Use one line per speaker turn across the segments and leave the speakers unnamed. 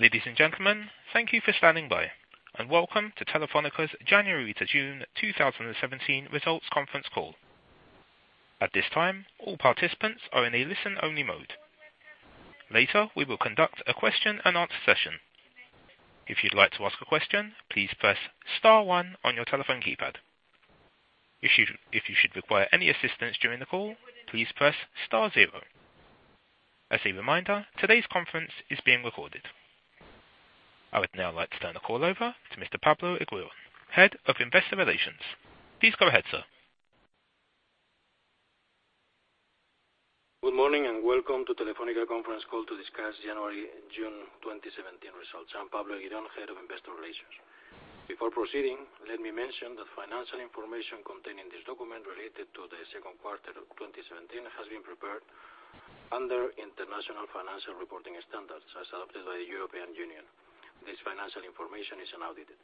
Ladies and gentlemen, thank you for standing by, and welcome to Telefónica's January to June 2017 results conference call. At this time, all participants are in a listen-only mode. Later, we will conduct a question and answer session. If you'd like to ask a question, please press star one on your telephone keypad. If you should require any assistance during the call, please press star zero. As a reminder, today's conference is being recorded. I would now like to turn the call over to Mr. Pablo Eguiluz, Head of Investor Relations. Please go ahead, sir.
Good morning, welcome to Telefónica conference call to discuss January and June 2017 results. I'm Pablo Eguiluz, Head of Investor Relations. Before proceeding, let me mention that financial information contained in this document related to the second quarter of 2017 has been prepared under International Financial Reporting Standards as adopted by the European Union. This financial information is unaudited.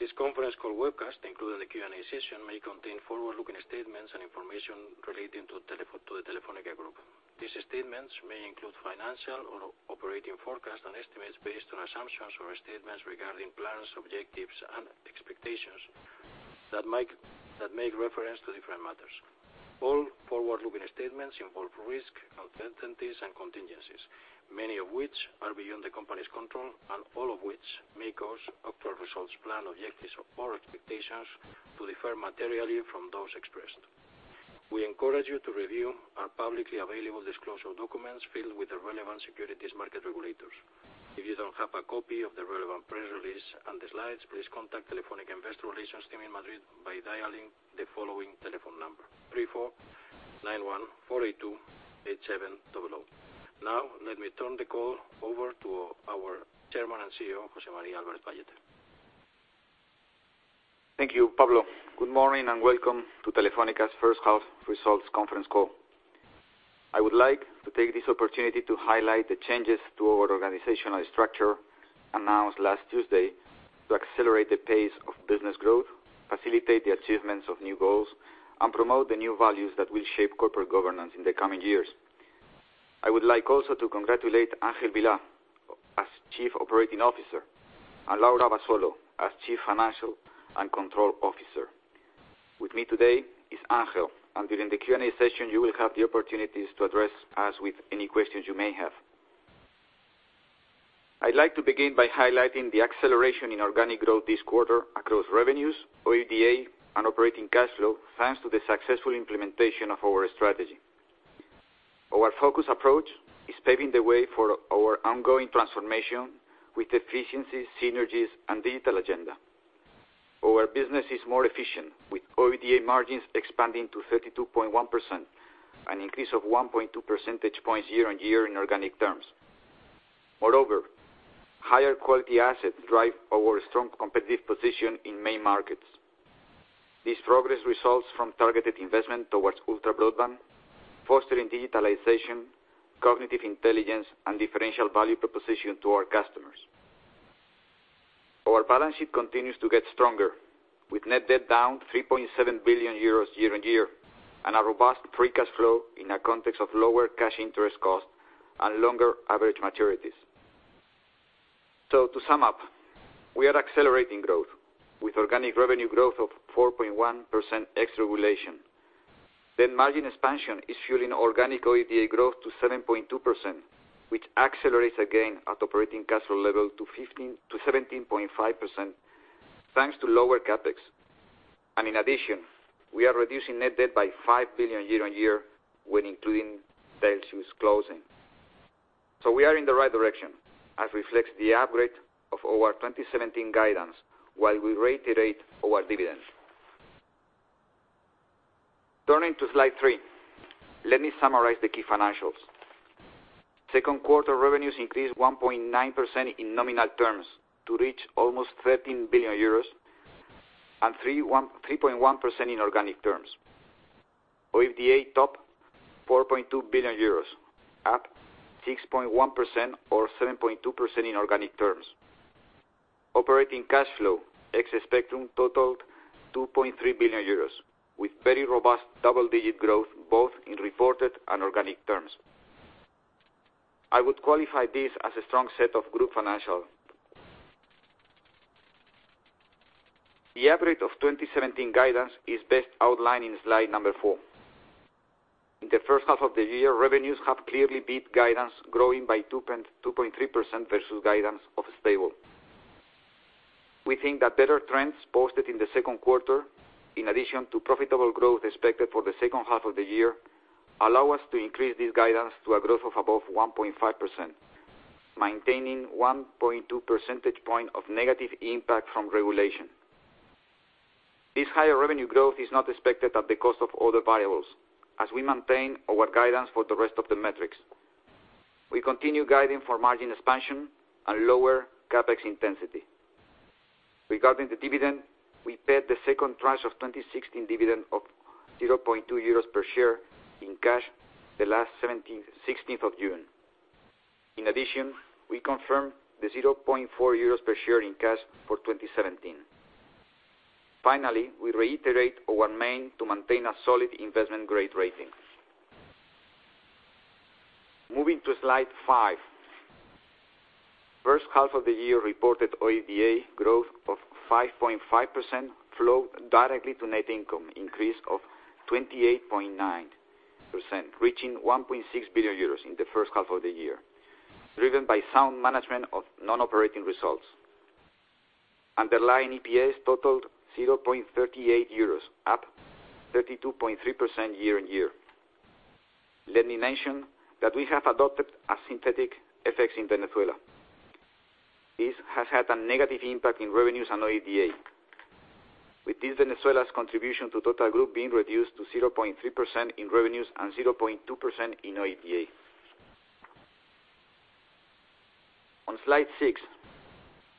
This conference call webcast, including the Q&A session, may contain forward-looking statements and information relating to the Telefónica group. These statements may include financial or operating forecasts and estimates based on assumptions or statements regarding plans, objectives, and expectations that make reference to different matters. All forward-looking statements involve risks, uncertainties, and contingencies, many of which are beyond the company's control and all of which may cause actual results, plans, objectives, or expectations to differ materially from those expressed. We encourage you to review our publicly available disclosure documents filed with the relevant securities market regulators. If you don't have a copy of the relevant press release and the slides, please contact Telefónica Investor Relations team in Madrid by dialing the following telephone number, 34-91-482-8700. Let me turn the call over to our Chairman and CEO, José María Álvarez-Pallete.
Thank you, Pablo. Good morning, welcome to Telefónica's first half results conference call. I would like to take this opportunity to highlight the changes to our organizational structure announced last Tuesday to accelerate the pace of business growth, facilitate the achievements of new goals, and promote the new values that will shape corporate governance in the coming years. I would like also to congratulate Ángel Vilá as Chief Operating Officer and Laura Abasolo as Chief Financial and Control Officer. With me today is Ángel, during the Q&A session, you will have the opportunities to address us with any questions you may have. I'd like to begin by highlighting the acceleration in organic growth this quarter across revenues, OIBDA, and operating cash flow, thanks to the successful implementation of our strategy. Our focused approach is paving the way for our ongoing transformation with efficiency, synergies, and digital agenda. Our business is more efficient, with OIBDA margins expanding to 32.1%, an increase of 1.2% year-on-year in organic terms. Moreover, higher quality assets drive our strong competitive position in main markets. This progress results from targeted investment towards ultra broadband, fostering digitalization, cognitive intelligence, and differential value proposition to our customers. Our balance sheet continues to get stronger, with net debt down 3.7 billion euros year-on-year, and a robust free cash flow in a context of lower cash interest cost and longer average maturities. To sum up, we are accelerating growth with organic revenue growth of 4.1% ex regulation. Margin expansion is fueling organic OIBDA growth to 7.2%, which accelerates again at operating cash flow level to 17.5% thanks to lower CapEx. In addition, we are reducing net debt by 5 billion year-on-year when including Telexius closing. We are in the right direction, as reflects the upgrade of our 2017 guidance while we reiterate our dividend. Turning to slide three, let me summarize the key financials. Second quarter revenues increased 1.9% in nominal terms to reach almost 13 billion euros and 3.1% in organic terms. OIBDA topped EUR 4.2 billion at 6.1% or 7.2% in organic terms. Operating cash flow ex spectrum totaled 2.3 billion euros, with very robust double-digit growth both in reported and organic terms. I would qualify this as a strong set of group financials. The upgrade of 2017 guidance is best outlined in slide number four. In the first half of the year, revenues have clearly beat guidance growing by 2.3% versus guidance of stable. We think that better trends posted in the second quarter, in addition to profitable growth expected for the second half of the year, allow us to increase this guidance to a growth of above 1.5%, maintaining 1.2% of negative impact from regulation. This higher revenue growth is not expected at the cost of other variables, as we maintain our guidance for the rest of the metrics. We continue guiding for margin expansion and lower CapEx intensity. Regarding the dividend, we paid the second tranche of 2016 dividend of 0.2 euros per share in cash the last 16th of June. In addition, we confirm the 0.4 euros per share in cash for 2017. Finally, we reiterate our main to maintain a solid investment-grade rating. Moving to slide five. First half of the year reported OIBDA growth of 5.5% flowed directly to net income increase of 28.9%, reaching 1.6 billion euros in the first half of the year, driven by sound management of non-operating results. Underlying EPS totaled 0.38 euros, up 32.3% year-on-year. Let me mention that we have adopted synthetic effects in Venezuela. This has had a negative impact on revenues and OIBDA. With this, Venezuela's contribution to the total group being reduced to 0.3% in revenues and 0.2% in OIBDA. On slide six,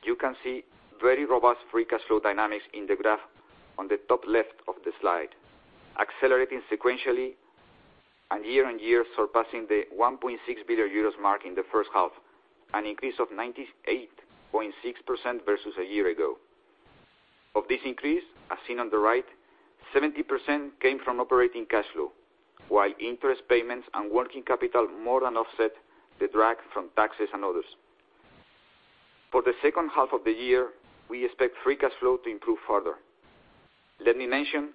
you can see very robust free cash flow dynamics in the graph on the top left of the slide, accelerating sequentially and year-on-year, surpassing the 1.6 billion euros mark in the first half, an increase of 98.6% versus a year ago. Of this increase, as seen on the right, 70% came from operating cash flow, while interest payments and working capital more than offset the drag from taxes and others. For the second half of the year, we expect free cash flow to improve further. Let me mention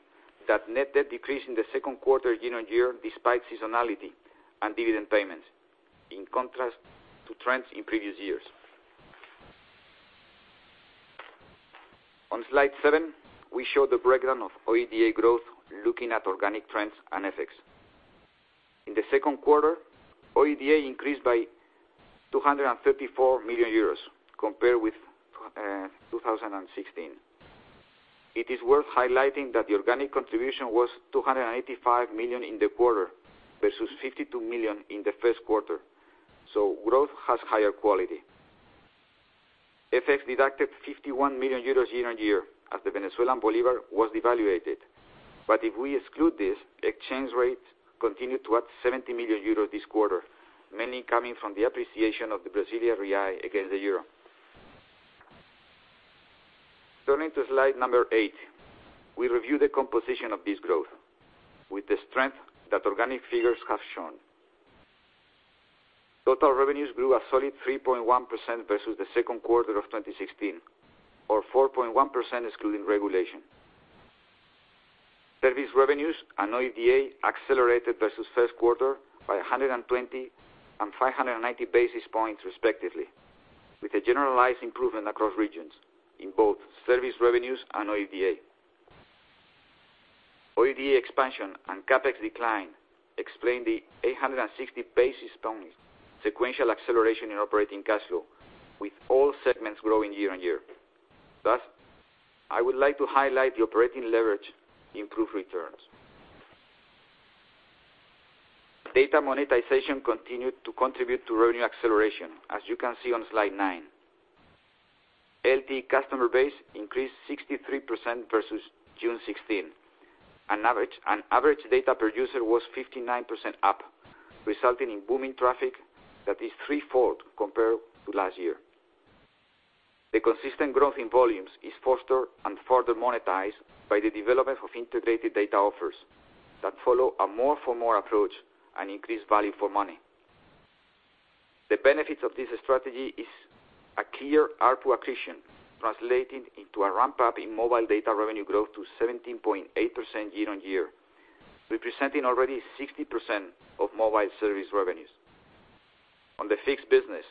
that net debt decreased in the second quarter year-on-year, despite seasonality and dividend payments, in contrast to trends in previous years. On slide seven, we show the breakdown of OIBDA growth looking at organic trends and effects. In the second quarter, OIBDA increased by 234 million euros compared with 2016. It is worth highlighting that the organic contribution was 285 million in the quarter versus 52 million in the first quarter. Growth has higher quality. Effects deducted 51 million euros year-on-year as the Venezuelan bolivar was devaluated. If we exclude this, exchange rates continued to add 70 million euros this quarter, mainly coming from the appreciation of the Brazilian Real against the euro. Turning to slide number eight, we review the composition of this growth with the strength that organic figures have shown. Total revenues grew a solid 3.1% versus the second quarter of 2016 or 4.1% excluding regulation. Service revenues and OIBDA accelerated versus the first quarter by 120 and 590 basis points, respectively, with a generalized improvement across regions in both service revenues and OIBDA. OIBDA expansion and CapEx decline explain the 860 basis point sequential acceleration in operating cash flow, with all segments growing year-on-year. I would like to highlight the operating leverage improved returns. Data monetization continued to contribute to revenue acceleration, as you can see on slide nine. LTE customer base increased 63% versus June 2016, and average data per user was 59% up, resulting in booming traffic that is threefold compared to last year. The consistent growth in volumes is fostered and further monetized by the development of integrated data offers that follow a more for more approach and increase value for money. The benefits of this strategy is a clear ARPU accretion, translating into a ramp-up in mobile data revenue growth to 17.8% year-on-year, representing already 60% of mobile service revenues. On the fixed business,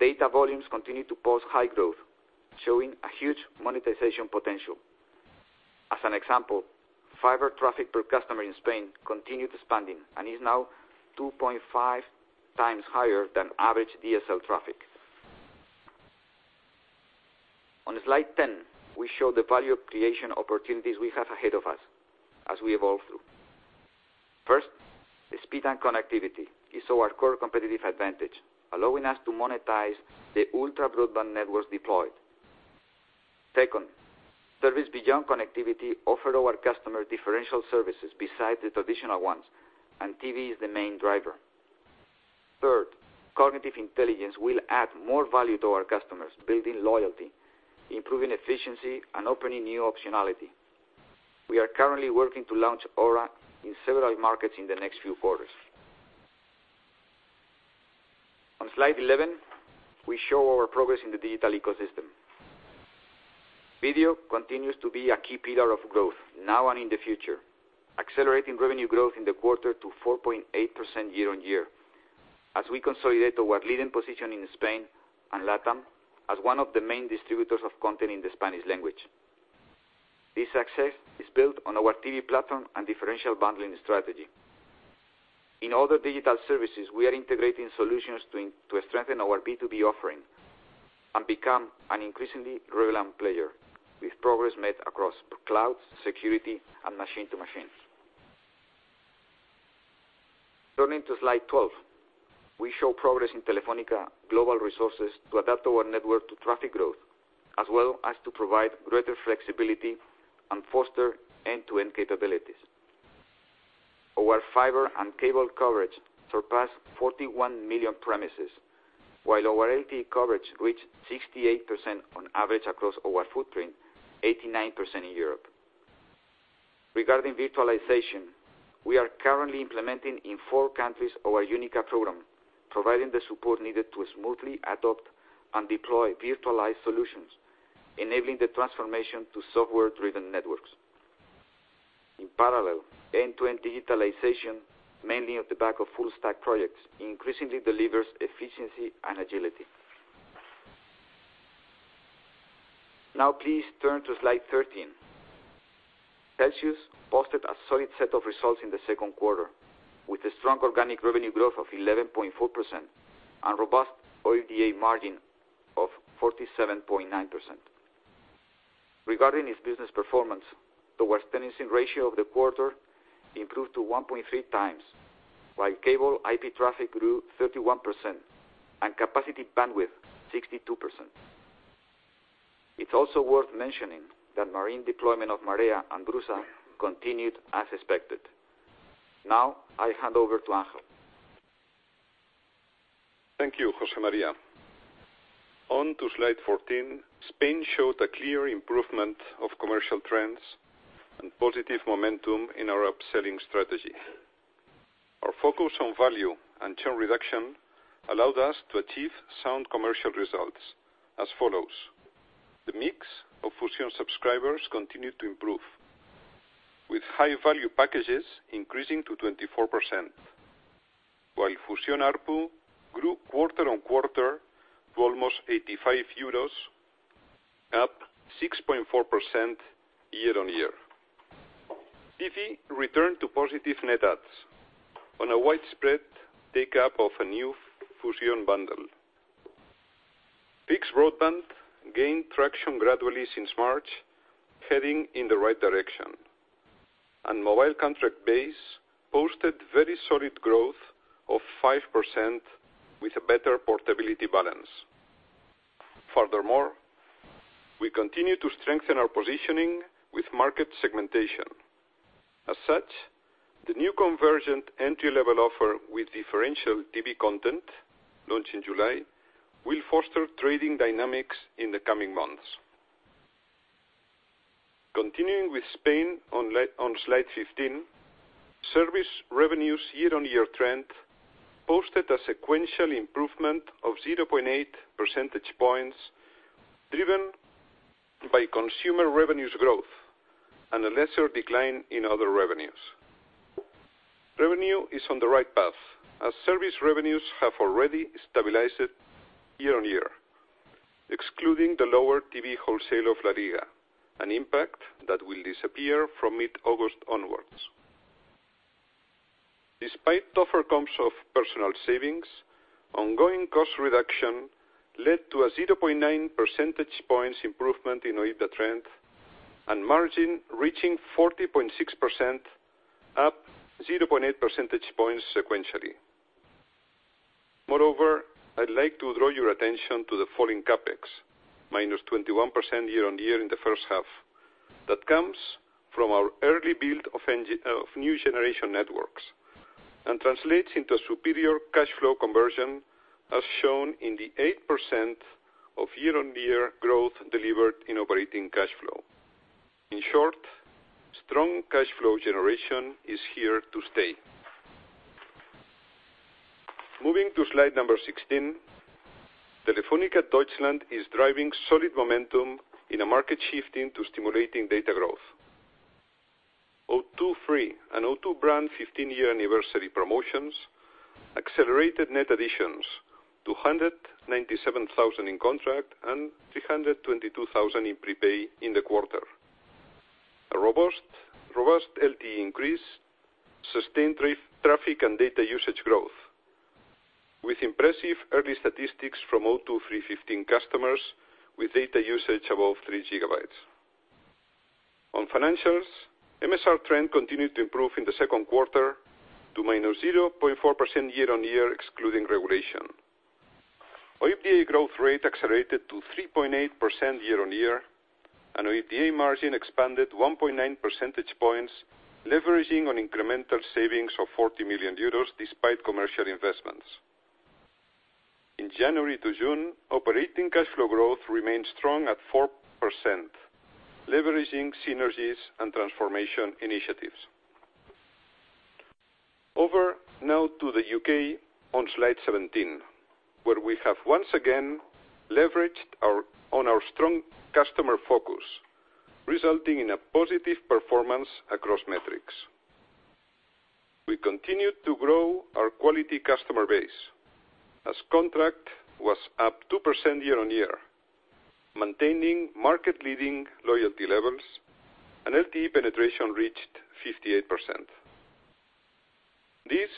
data volumes continued to post high growth, showing a huge monetization potential. As an example, fiber traffic per customer in Spain continued expanding and is now 2.5 times higher than average DSL traffic. On slide 10, we show the value creation opportunities we have ahead of us as we evolve through. First, the speed and connectivity is our core competitive advantage, allowing us to monetize the ultra-broadband networks deployed. Second, service beyond connectivity offer our customer differential services besides the traditional ones, and TV is the main driver. Third, cognitive intelligence will add more value to our customers, building loyalty, improving efficiency, and opening new optionality. We are currently working to launch Aura in several markets in the next few quarters. On slide 11, we show our progress in the digital ecosystem. Video continues to be a key pillar of growth now and in the future, accelerating revenue growth in the quarter to 4.8% year-on-year as we consolidate our leading position in Spain and LATAM as one of the main distributors of content in the Spanish language. This success is built on our TV platform and differential bundling strategy. In all the digital services, we are integrating solutions to strengthen our B2B offering and become an increasingly relevant player with progress made across clouds, security, and machine to machine. Turning to slide 12, we show progress in Telefónica Global Solutions to adapt our network to traffic growth, as well as to provide greater flexibility and foster end-to-end capabilities. Our fiber and cable coverage surpassed 41 million premises, while our LTE coverage reached 68% on average across our footprint, 89% in Europe. Regarding virtualization, we are currently implementing in four countries our UNICA program, providing the support needed to smoothly adopt and deploy virtualized solutions, enabling the transformation to software-driven networks. In parallel, end-to-end digitalization, mainly at the back of full stack projects, increasingly delivers efficiency and agility. Now please turn to slide 13. Telxius posted a solid set of results in the second quarter, with a strong organic revenue growth of 11.4% and robust OIBDA margin of 47.9%. Regarding its business performance, the tower tenancy ratio of the quarter improved to 1.3 times, while cable IP traffic grew 31% and capacity bandwidth 62%. It's also worth mentioning that marine deployment of MAREA and BRUSA continued as expected. Now, I hand over to Ángel.
Thank you, José María. On to slide 14, Spain showed a clear improvement of commercial trends and positive momentum in our upselling strategy. Our focus on value and churn reduction allowed us to achieve sound commercial results as follows: The mix of Fusión subscribers continued to improve, with high-value packages increasing to 24%, while Fusión ARPU grew quarter-on-quarter to almost 85 euros, up 6.4% year-on-year. TV returned to positive net adds on a widespread take-up of a new Fusión bundle. Fixed broadband gained traction gradually since March, heading in the right direction, and mobile contract base posted very solid growth of 5% with a better portability balance. Furthermore, we continue to strengthen our positioning with market segmentation. As such, the new convergent entry-level offer with differential TV content, launched in July, will foster trading dynamics in the coming months. Continuing with Spain on slide 15, service revenues year-on-year trend posted a sequential improvement of 0.8 percentage points, driven by consumer revenues growth and a lesser decline in other revenues. Revenue is on the right path, as service revenues have already stabilized year-on-year, excluding the lower TV wholesale of LaLiga, an impact that will disappear from mid-August onwards. Despite tougher comps of personal savings, ongoing cost reduction led to a 0.9 percentage points improvement in OIBDA trend and margin reaching 40.6%, up 0.8 percentage points sequentially. Moreover, I'd like to draw your attention to the falling CapEx, -21% year-on-year in the first half. That comes from our early build of new generation networks and translates into superior cash flow conversion, as shown in the 8% of year-on-year growth delivered in operating cash flow. In short, strong cash flow generation is here to stay. Moving to slide number 16, Telefónica Deutschland is driving solid momentum in a market shifting to stimulating data growth. O2 Free and O2 brand 15-year anniversary promotions accelerated net additions, 297,000 in contract and 322,000 in prepaid in the quarter. A robust LTE increase sustained traffic and data usage growth, with impressive early statistics from O2 Free 15 customers with data usage above three gigabytes. On financials, MSR trend continued to improve in the second quarter to minus 0.4% year-on-year, excluding regulation. OIBDA growth rate accelerated to 3.8% year-on-year, and OIBDA margin expanded 1.9 percentage points, leveraging on incremental savings of 40 million euros despite commercial investments. In January to June, operating cash flow growth remained strong at 4%, leveraging synergies and transformation initiatives. Over now to the U.K. on slide 17, where we have once again leveraged on our strong customer focus, resulting in a positive performance across metrics. We continued to grow our quality customer base, as contract was up 2% year-on-year, maintaining market-leading loyalty levels, and LTE penetration reached 58%. This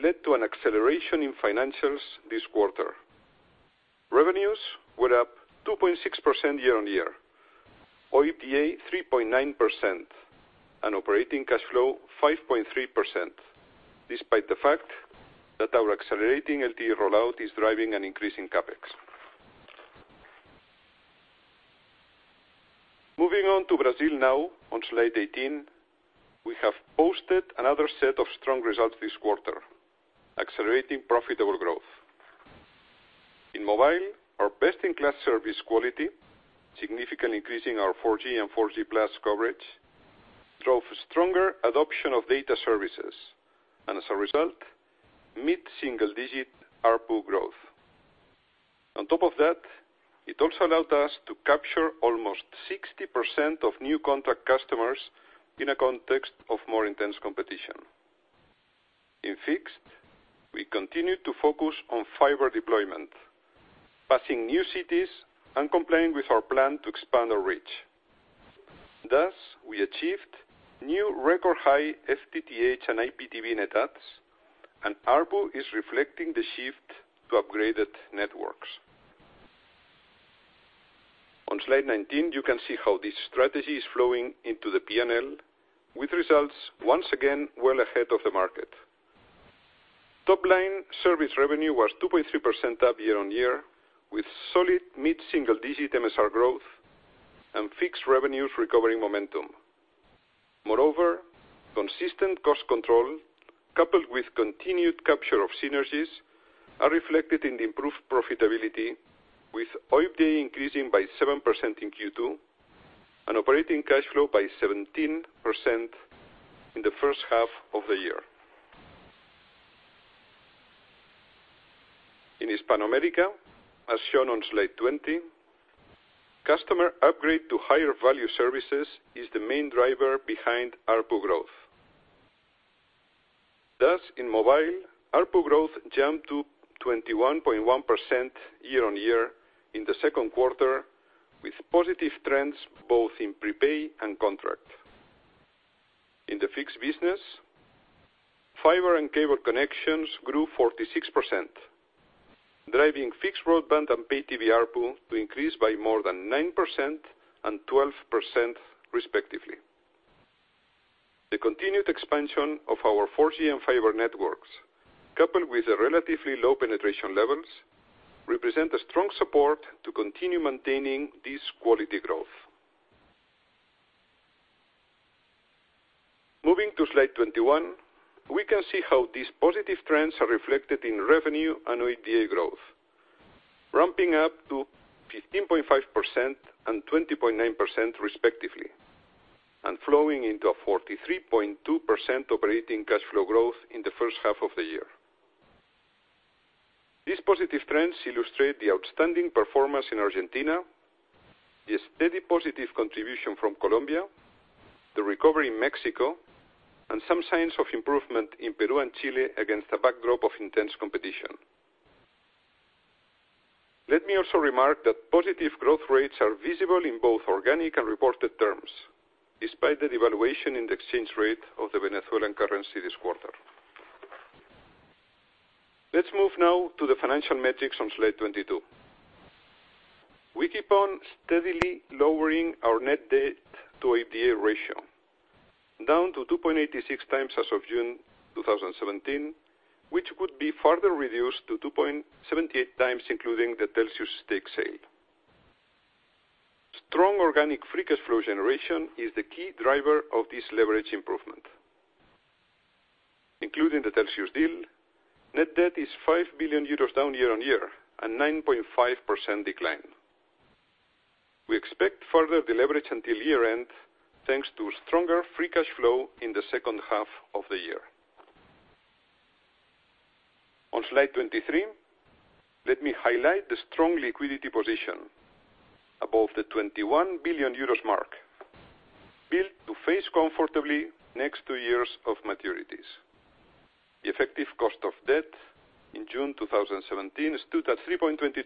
led to an acceleration in financials this quarter. Revenues were up 2.6% year-on-year, OIBDA 3.9%, and operating cash flow 5.3%, despite the fact that our accelerating LTE rollout is driving an increase in CapEx. Moving on to Brazil now, on slide 18. We have posted another set of strong results this quarter, accelerating profitable growth. In mobile, our best-in-class service quality, significantly increasing our 4G and 4G+ coverage, drove stronger adoption of data services, and as a result, mid-single-digit ARPU growth. On top of that, it also allowed us to capture almost 60% of new contract customers in a context of more intense competition. In fixed, we continued to focus on fiber deployment, passing new cities and complying with our plan to expand our reach. Thus, we achieved new record-high FTTH and IPTV net adds, and ARPU is reflecting the shift to upgraded networks. On slide 19, you can see how this strategy is flowing into the P&L with results, once again, well ahead of the market. Top line service revenue was 2.3% up year-on-year, with solid mid-single-digit MSR growth and fixed revenues recovering momentum. Moreover, consistent cost control, coupled with continued capture of synergies, are reflected in the improved profitability with OIBDA increasing by 7% in Q2 and operating cash flow by 17% in the first half of the year. In Hispanoamérica, as shown on slide 20, customer upgrade to higher value services is the main driver behind ARPU growth. Thus, in mobile, ARPU growth jumped to 21.1% year-on-year in the second quarter, with positive trends both in prepaid and contract. In the fixed business, fiber and cable connections grew 46%, driving fixed broadband and Pay TV ARPU to increase by more than 9% and 12% respectively. The continued expansion of our 4G and fiber networks, coupled with the relatively low penetration levels, represent a strong support to continue maintaining this quality growth. Moving to slide 21, we can see how these positive trends are reflected in revenue and OIBDA growth, ramping up to 15.5% and 20.9% respectively, and flowing into a 43.2% operating cash flow growth in the first half of the year. These positive trends illustrate the outstanding performance in Argentina, the steady positive contribution from Colombia, the recovery in Mexico, and some signs of improvement in Peru and Chile against a backdrop of intense competition. Let me also remark that positive growth rates are visible in both organic and reported terms, despite the devaluation in the exchange rate of the Venezuelan currency this quarter. Let's move now to the financial metrics on slide 22. We keep on steadily lowering our net debt to OIBDA ratio, down to 2.86 times as of June 2017, which would be further reduced to 2.78 times including the Telxius stake sale. Strong organic free cash flow generation is the key driver of this leverage improvement. Including the Telxius deal, net debt is 5 billion euros down year-on-year, a 9.5% decline. We expect further deleverage until year-end, thanks to stronger free cash flow in the second half of the year. On slide 23, let me highlight the strong liquidity position, above the 21 billion euros mark, built to face comfortably next two years of maturities. The effective cost of debt in June 2017 stood at 3.22%,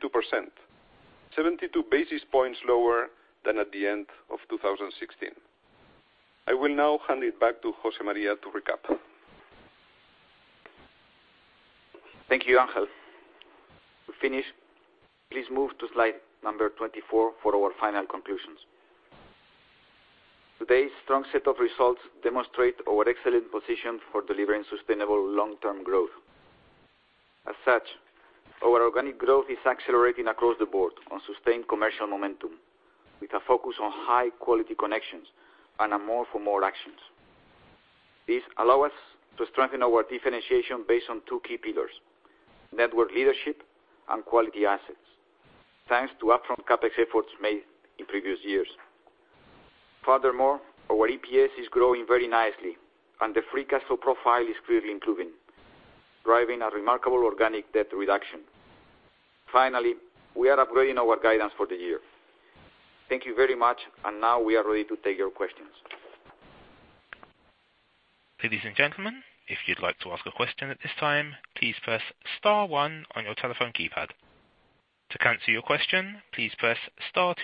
72 basis points lower than at the end of 2016. I will now hand it back to José María to recap.
Thank you, Ángel. To finish, please move to slide number 24 for our final conclusions. Today's strong set of results demonstrate our excellent position for delivering sustainable long-term growth. Our organic growth is accelerating across the board on sustained commercial momentum, with a focus on high-quality connections and a more for more actions. These allow us to strengthen our differentiation based on two key pillars: network leadership and quality assets, thanks to upfront CapEx efforts made in previous years. Our EPS is growing very nicely, and the free cash flow profile is clearly improving, driving a remarkable organic debt reduction. We are upgrading our guidance for the year. Thank you very much. Now we are ready to take your questions.
Ladies and gentlemen, if you'd like to ask a question at this time, please press *1 on your telephone keypad. To cancel your question, please press *2.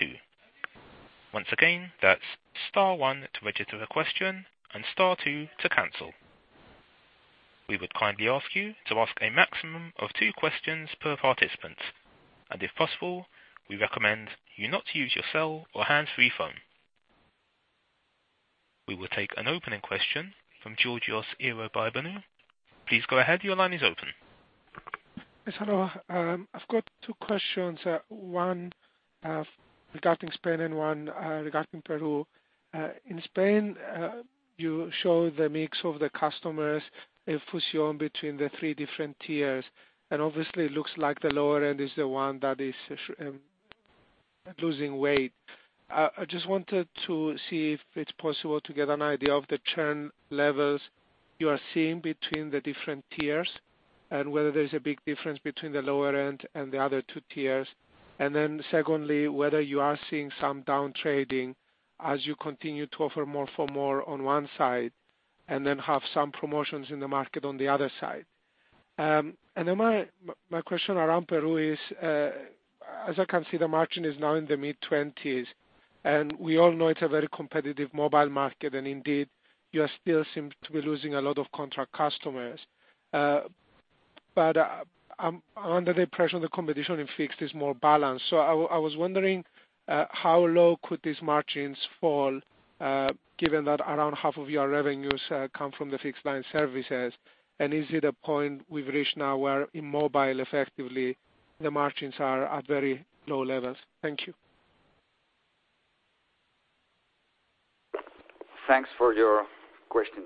Once again, that's *1 to register the question and *2 to cancel. We would kindly ask you to ask a maximum of two questions per participant. If possible, we recommend you not use your cell or hands-free phone. We will take an opening question from Georgios Ierodiaconou. Please go ahead. Your line is open.
Yes, hello. I've got two questions, one regarding Spain and one regarding Peru. In Spain, you show the mix of the customers in Fusión between the three different tiers, and obviously it looks like the lower end is the one that is losing weight. I just wanted to see if it's possible to get an idea of the churn levels you are seeing between the different tiers and whether there's a big difference between the lower end and the other two tiers. Secondly, whether you are seeing some down trading as you continue to offer more for more on one side and then have some promotions in the market on the other side. My question around Peru is, as I can see, the margin is now in the mid-20s. We all know it's a very competitive mobile market, and indeed, you still seem to be losing a lot of contract customers. Under the pressure of the competition in fixed is more balanced. I was wondering, how low could these margins fall, given that around half of your revenues come from the fixed line services. Is it a point we've reached now where in mobile, effectively, the margins are at very low levels? Thank you.
Thanks for your question.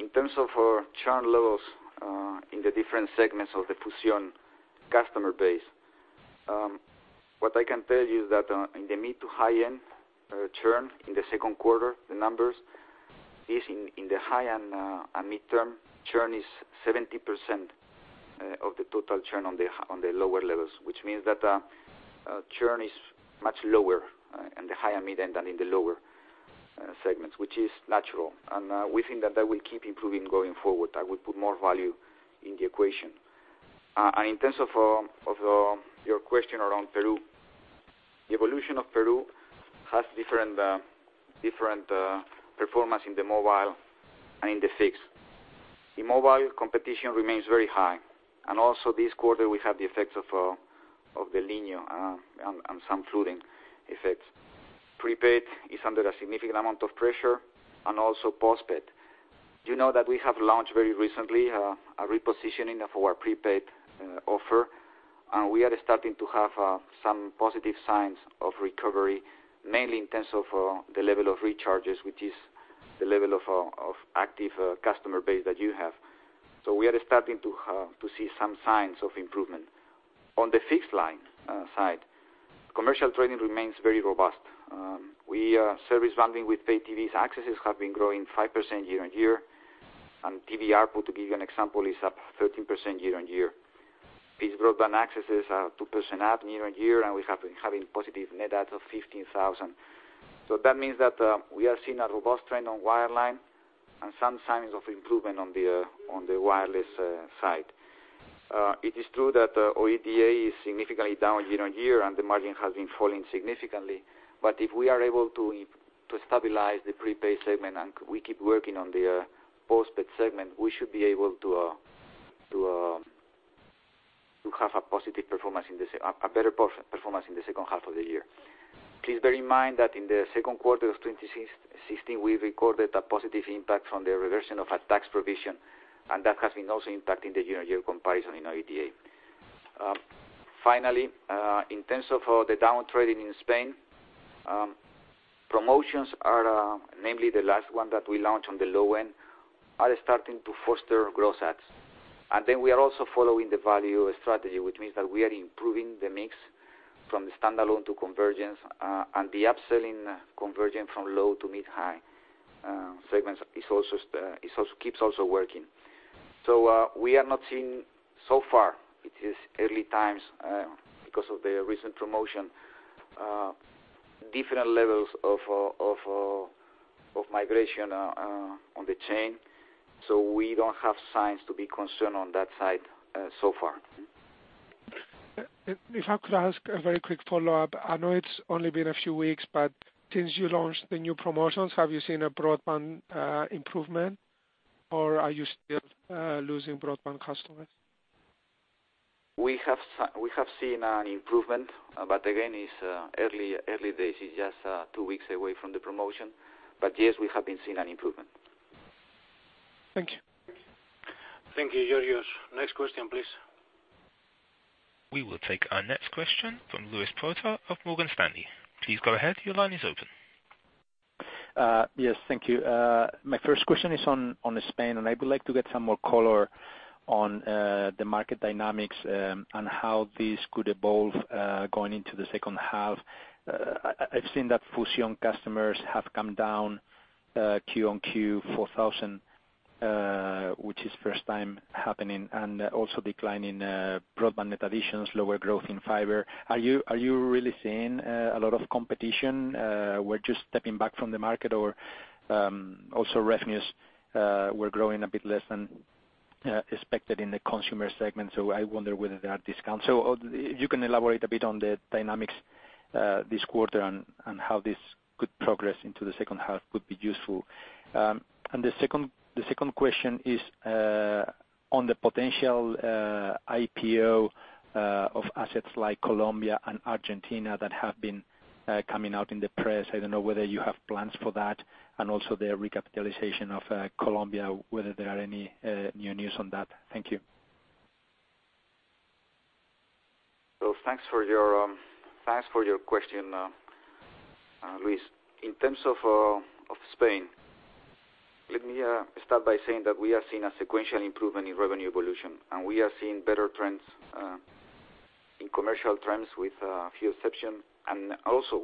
In terms of our churn levels in the different segments of the Fusión customer base, what I can tell you is that in the mid to high end churn in the second quarter, the numbers is in the high and mid-term churn is 70% of the total churn on the lower levels, which means that churn is much lower in the high and mid end than in the lower segments, which is natural. We think that will keep improving going forward. That will put more value in the equation. In terms of your question around Peru, the evolution of Peru has different performance in the mobile and in the fixed. In mobile, competition remains very high. Also this quarter, we have the effects of the El Niño and some flooding effects. Prepaid is under a significant amount of pressure and also postpaid. You know that we have launched very recently a repositioning of our prepaid offer. We are starting to have some positive signs of recovery, mainly in terms of the level of recharges, which is the level of active customer base that you have. We are starting to see some signs of improvement. On the fixed line side, commercial trading remains very robust. Service bundling with pay TV accesses have been growing 5% year-on-year. TV output, to give you an example, is up 13% year-on-year. These broadband accesses are 2% up year-on-year. We have been having positive net adds of 15,000. That means that we are seeing a robust trend on wireline and some signs of improvement on the wireless side. It is true that OIBDA is significantly down year-on-year, and the margin has been falling significantly. If we are able to stabilize the prepaid segment and we keep working on the postpaid segment, we should be able to have a better performance in the second half of the year. Please bear in mind that in the second quarter of 2016, we recorded a positive impact from the reversion of a tax provision, and that has been also impacting the year-on-year comparison in OIBDA. Finally, in terms of the downtrading in Spain, promotions are, namely the last one that we launched on the low end, are starting to foster growth adds. We are also following the value strategy, which means that we are improving the mix from the standalone to convergence, and the upselling convergent from low to mid-high segments keeps also working. We are not seeing so far, it is early times because of the recent promotion, different levels of migration on the chain. We don't have signs to be concerned on that side so far.
If I could ask a very quick follow-up. I know it's only been a few weeks, but since you launched the new promotions, have you seen a broadband improvement or are you still losing broadband customers?
We have seen an improvement, but again, it's early days. It's just two weeks away from the promotion. Yes, we have been seeing an improvement.
Thank you.
Thank you, Georgios. Next question, please. We will take our next question from Luis Prota of Morgan Stanley. Please go ahead. Your line is open.
Yes. Thank you. My first question is on Spain, I would like to get some more color on the market dynamics and how this could evolve going into the second half. I've seen that Fusión customers have come down Q on Q 4,000, which is first time happening, and also decline in broadband net additions, lower growth in fiber. Are you really seeing a lot of competition? We're just stepping back from the market or also revenues were growing a bit less than expected in the consumer segment, so I wonder whether there are discounts. If you can elaborate a bit on the dynamics this quarter and how this could progress into the second half would be useful. The second question is on the potential IPO of assets like Colombia and Argentina that have been coming out in the press. I don't know whether you have plans for that. Also the recapitalization of Colombia, whether there are any new news on that. Thank you.
Thanks for your question, Luis. In terms of Spain, let me start by saying that we are seeing a sequential improvement in revenue evolution. We are seeing better trends in commercial trends with few exceptions,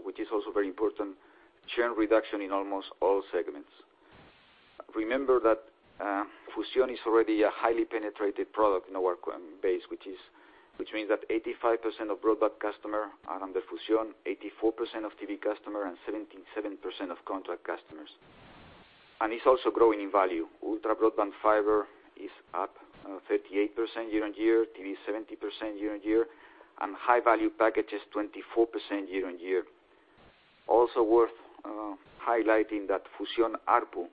which is also very important, churn reduction in almost all segments. Remember that Fusión is already a highly penetrated product in our base, which means that 85% of broadband customer are under Fusión, 84% of TV customer, and 77% of contract customers. It's also growing in value. Ultra broadband fiber is up 38% year-over-year, TV 70% year-over-year, and high value packages 24% year-over-year. Also worth highlighting that Fusión ARPU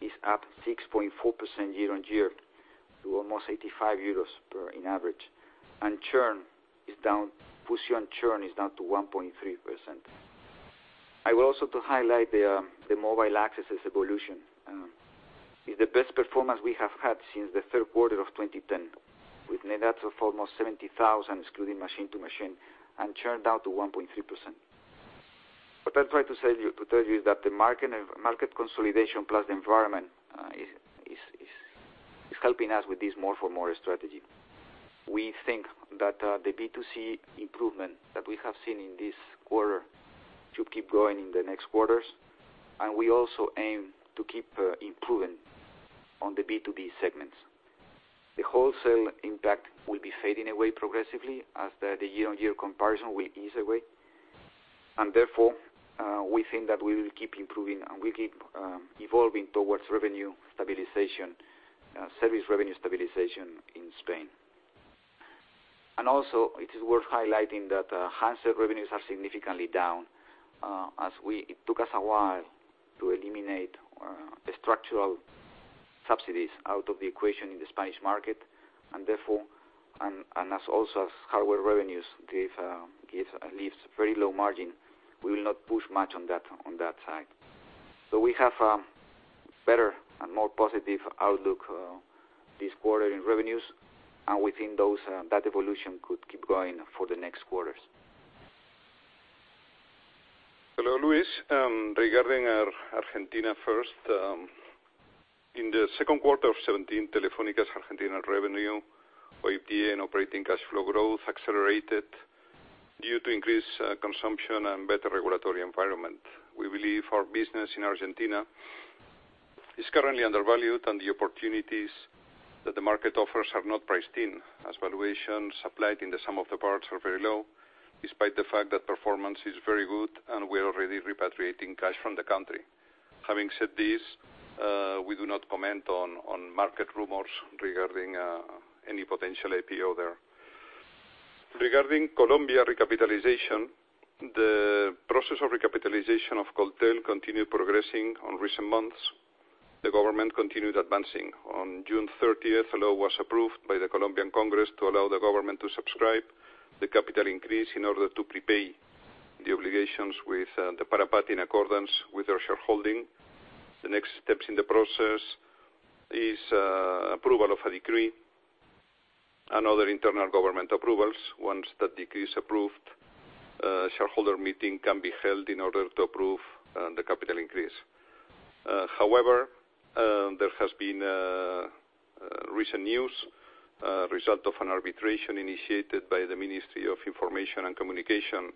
is up 6.4% year-over-year to almost 85 euros in average, and Fusión churn is down to 1.3%. I will also highlight the mobile accesses evolution. It's the best performance we have had since the third quarter of 2010, with net adds of almost 70,000, excluding machine to machine, and churn down to 1.3%. What I'm trying to tell you is that the market consolidation plus the environment is helping us with this More for More strategy. We think that the B2C improvement that we have seen in this quarter should keep growing in the next quarters. We also aim to keep improving on the B2B segments. The wholesale impact will be fading away progressively as the year-over-year comparison will ease away. Therefore, we think that we will keep improving, we keep evolving towards service revenue stabilization in Spain. Also, it is worth highlighting that handset revenues are significantly down, as it took us a while to eliminate the structural subsidies out of the equation in the Spanish market. As also hardware revenues leave very low margin, we will not push much on that side. We have a better and more positive outlook this quarter in revenues. We think that evolution could keep growing for the next quarters.
Hello, Luis. Regarding Argentina first. In the second quarter of 2017, Telefónica's Argentina revenue, OIBDA, and operating cash flow growth accelerated due to increased consumption and better regulatory environment. We believe our business in Argentina is currently undervalued. The opportunities that the market offers are not priced in, as valuations applied in the sum of the parts are very low, despite the fact that performance is very good. We're already repatriating cash from the country. Having said this, we do not comment on market rumors regarding any potential IPO there. Regarding Colombia recapitalization, the process of recapitalization of Coltel continued progressing on recent months. The government continued advancing. On June 30th, a law was approved by the Colombian Congress to allow the government to subscribe the capital increase in order to prepay the obligations with the PARAPAT in accordance with their shareholding. The next steps in the process is approval of a decree and other internal government approvals. Once that decree is approved, a shareholder meeting can be held in order to approve the capital increase. However, there has been recent news, a result of an arbitration initiated by the Ministry of Information and Communication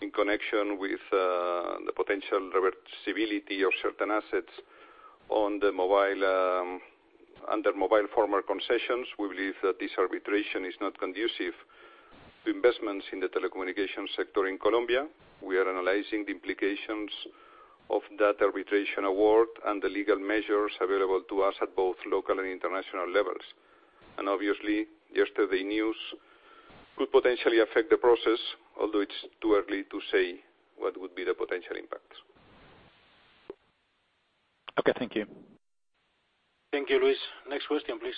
in connection with the potential reversibility of certain assets under mobile former concessions. We believe that this arbitration is not conducive to investments in the telecommunications sector in Colombia. We are analyzing the implications of that arbitration award and the legal measures available to us at both local and international levels. Obviously, yesterday news could potentially affect the process, although it's too early to say what would be the potential impacts.
Okay, thank you.
Thank you, Luis. Next question, please.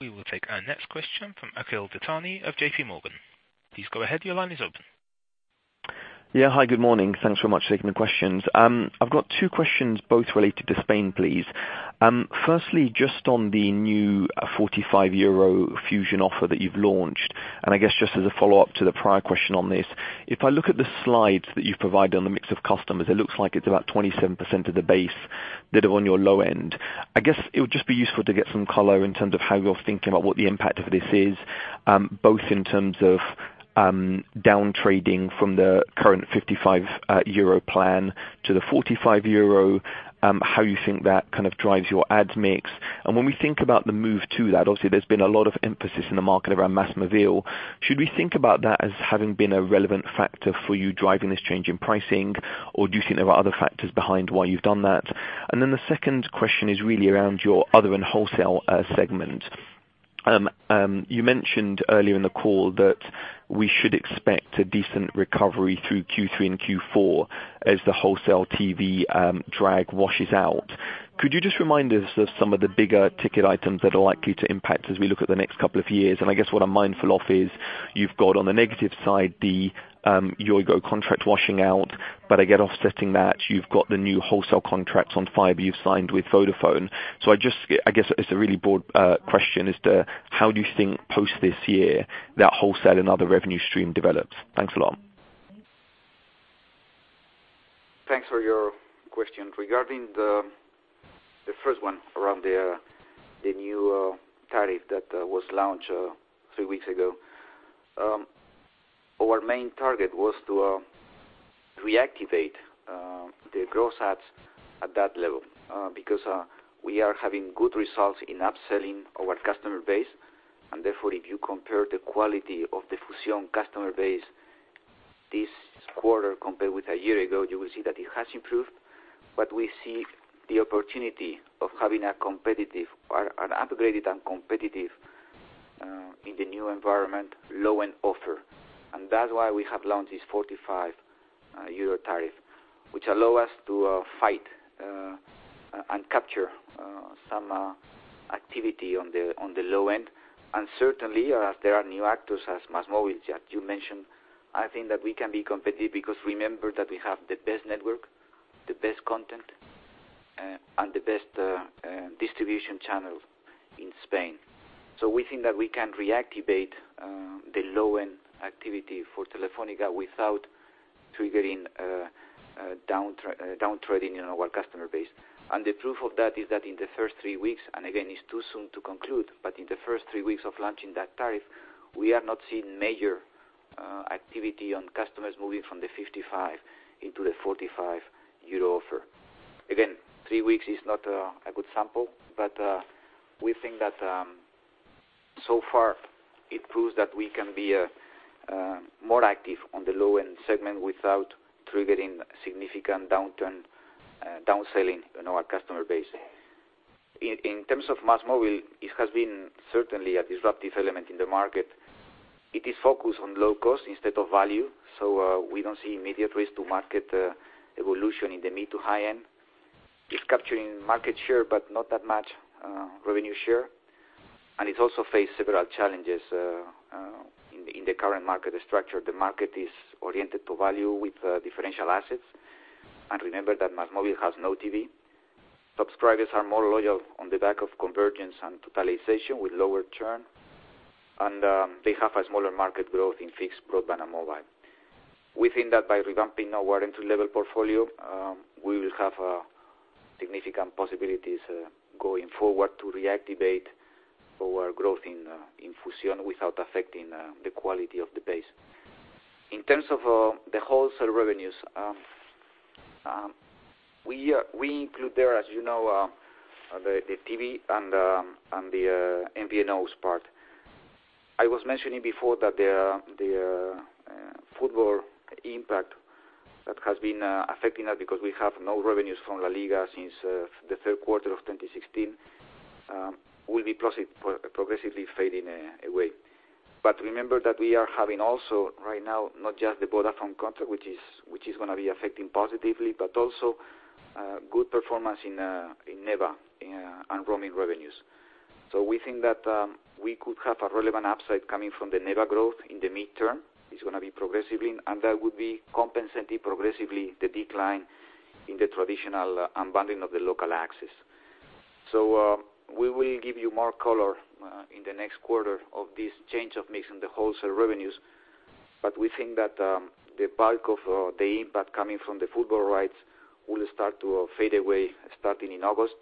We will take our next question from Akhil Dattani of JPMorgan. Please go ahead. Your line is open.
Hi, good morning. Thanks very much for taking the questions. I've got two questions, both related to Spain, please. Firstly, just on the new 45 euro Fusión offer that you've launched, I guess just as a follow-up to the prior question on this, if I look at the slides that you've provided on the mix of customers, it looks like it's about 27% of the base that are on your low end. I guess it would just be useful to get some color in terms of how you're thinking about what the impact of this is, both in terms of down trading from the current 55 euro plan to the 45 euro, how you think that drives your adds mix. When we think about the move to that, obviously there's been a lot of emphasis in the market around MásMóvil. Should we think about that as having been a relevant factor for you driving this change in pricing, or do you think there are other factors behind why you've done that? The second question is really around your other and wholesale segment. You mentioned earlier in the call that we should expect a decent recovery through Q3 and Q4 as the wholesale TV drag washes out. Could you just remind us of some of the bigger ticket items that are likely to impact as we look at the next couple of years? I guess what I'm mindful of is you've got, on the negative side, the Yoigo contract washing out, but again offsetting that, you've got the new wholesale contracts on fiber you've signed with Vodafone. I guess it's a really broad question as to how do you think post this year that wholesale and other revenue stream develops? Thanks a lot.
Thanks for your question. Regarding the first one around the new tariff that was launched three weeks ago. Our main target was to reactivate the gross adds at that level, because we are having good results in upselling our customer base, therefore, if you compare the quality of the Fusión customer base this quarter compared with a year ago, you will see that it has improved. We see the opportunity of having an upgraded and competitive, in the new environment, low-end offer. That's why we have launched this 45 euro tariff, which allow us to fight and capture some activity on the low end. Certainly, as there are new actors, as MásMóvil, that you mentioned, I think that we can be competitive because remember that we have the best network, the best content, and the best distribution channel in Spain. We think that we can reactivate the low-end activity for Telefónica without triggering downtrading in our customer base. The proof of that is that in the first three weeks, and again, it is too soon to conclude, but in the first three weeks of launching that tariff, we are not seeing major activity on customers moving from the 55 into the 45 euro offer. Again, three weeks is not a good sample, but we think that so far it proves that we can be more active on the low-end segment without triggering significant downselling in our customer base. In terms of MásMóvil, it has been certainly a disruptive element in the market. It is focused on low cost instead of value, so we do not see immediate risk to market evolution in the mid-to-high end. It is capturing market share, not that much revenue share, and it also faces several challenges in the current market structure. The market is oriented to value with differential assets. Remember that MásMóvil has no TV. Subscribers are more loyal on the back of convergence and totalization with lower churn, and they have a smaller market growth in fixed broadband and mobile. We think that by revamping our entry-level portfolio, we will have significant possibilities going forward to reactivate our growth in Fusión without affecting the quality of the base. In terms of the wholesale revenues, we include there, as you know, the TV and the MVNOs part. I was mentioning before that the football impact that has been affecting us because we have no revenues from LaLiga since the third quarter of 2016 will be progressively fading away. Remember that we are having also right now, not just the Vodafone contract, which is going to be affecting positively, but also good performance in NEBA and roaming revenues. We think that we could have a relevant upside coming from the NEBA growth in the mid-term. It is going to be progressive, and that would be compensating progressively the decline in the traditional unbundling of the local access. We will give you more color in the next quarter of this change of mix in the wholesale revenues, we think that the bulk of the impact coming from the football rights will start to fade away starting in August,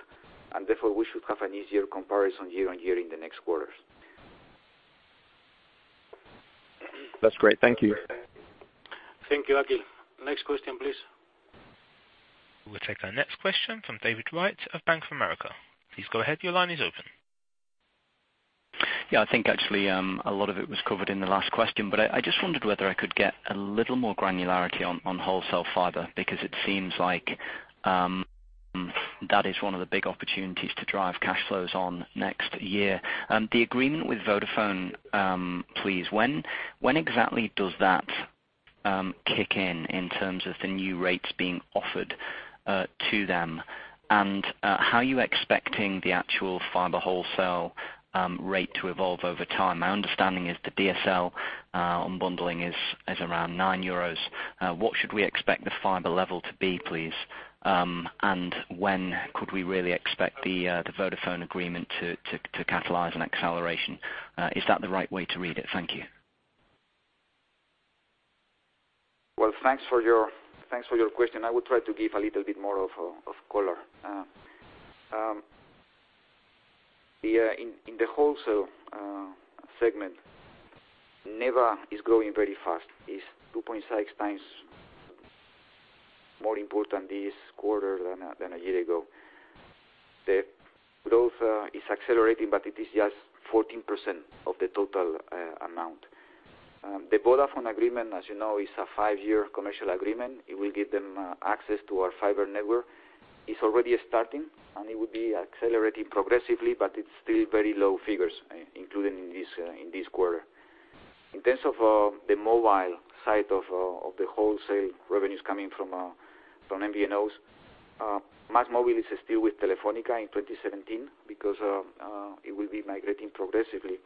and therefore we should have an easier comparison year-on-year in the next quarters.
That is great. Thank you.
Thank you, Akhil. Next question, please.
We'll take our next question from David Wright of Bank of America. Please go ahead. Your line is open.
I think actually, a lot of it was covered in the last question, but I just wondered whether I could get a little more granularity on wholesale fiber, because it seems like that is one of the big opportunities to drive cash flows on next year. The agreement with Vodafone, please, when exactly does that kick in terms of the new rates being offered to them? How are you expecting the actual fiber wholesale rate to evolve over time? My understanding is the DSL unbundling is around EUR 9. What should we expect the fiber level to be, please? When could we really expect the Vodafone agreement to catalyze an acceleration? Is that the right way to read it? Thank you.
Well, thanks for your question. I will try to give a little bit more of color. In the wholesale segment, NEBA is growing very fast. It's 2.6 times more important this quarter than a year ago. The growth is accelerating, but it is just 14% of the total amount. The Vodafone agreement, as you know, is a five-year commercial agreement. It will give them access to our fiber network. It's already starting, and it will be accelerating progressively, but it's still very low figures, including in this quarter. In terms of the mobile side of the wholesale revenues coming from MVNOs, MásMóvil is still with Telefónica in 2017 because it will be migrating progressively.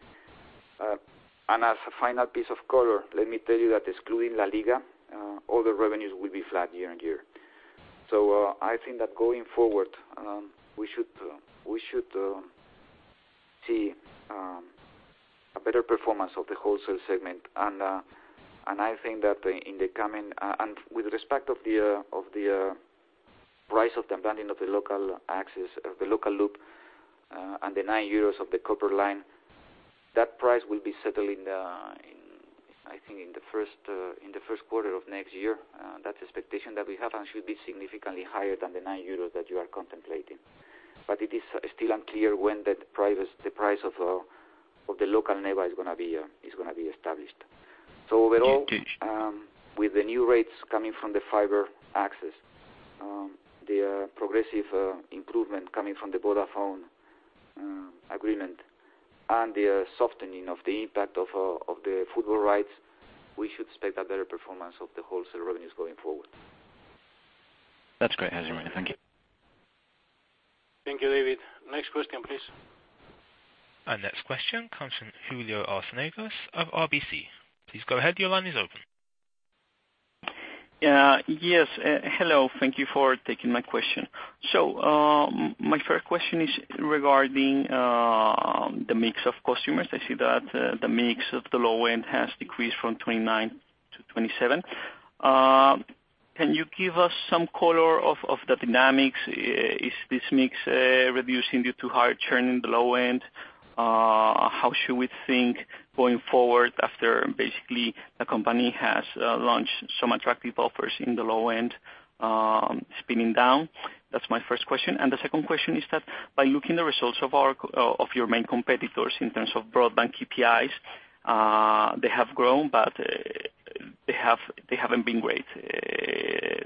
As a final piece of color, let me tell you that excluding LaLiga, all the revenues will be flat year-over-year. I think that going forward, we should see better performance of the wholesale segment. With respect of the price of the abandoning of the local access, the local loop, and the 9 euros of the copper line, that price will be settled, I think, in the first quarter of next year. That's expectation that we have, and should be significantly higher than the 9 euros that you are contemplating. It is still unclear when the price of the local NEBA is going to be established.
Okay
With the new rates coming from the fiber access, the progressive improvement coming from the Vodafone agreement, and the softening of the impact of the football rights, we should expect a better performance of the wholesale revenues going forward.
That's great, José María. Thank you.
Thank you, David. Next question, please.
Our next question comes from Julio Arciniegas of RBC. Please go ahead. Your line is open.
Yes. Hello. Thank you for taking my question. My first question is regarding the mix of customers. I see that the mix of the low end has decreased from 29 to 27. Can you give us some color of the dynamics? Is this mix reducing due to higher churn in the low end? How should we think going forward after, basically, the company has launched some attractive offers in the low end, spinning down? That's my first question. The second question is that by looking the results of your main competitors in terms of broadband KPIs, they have grown, but they haven't been great.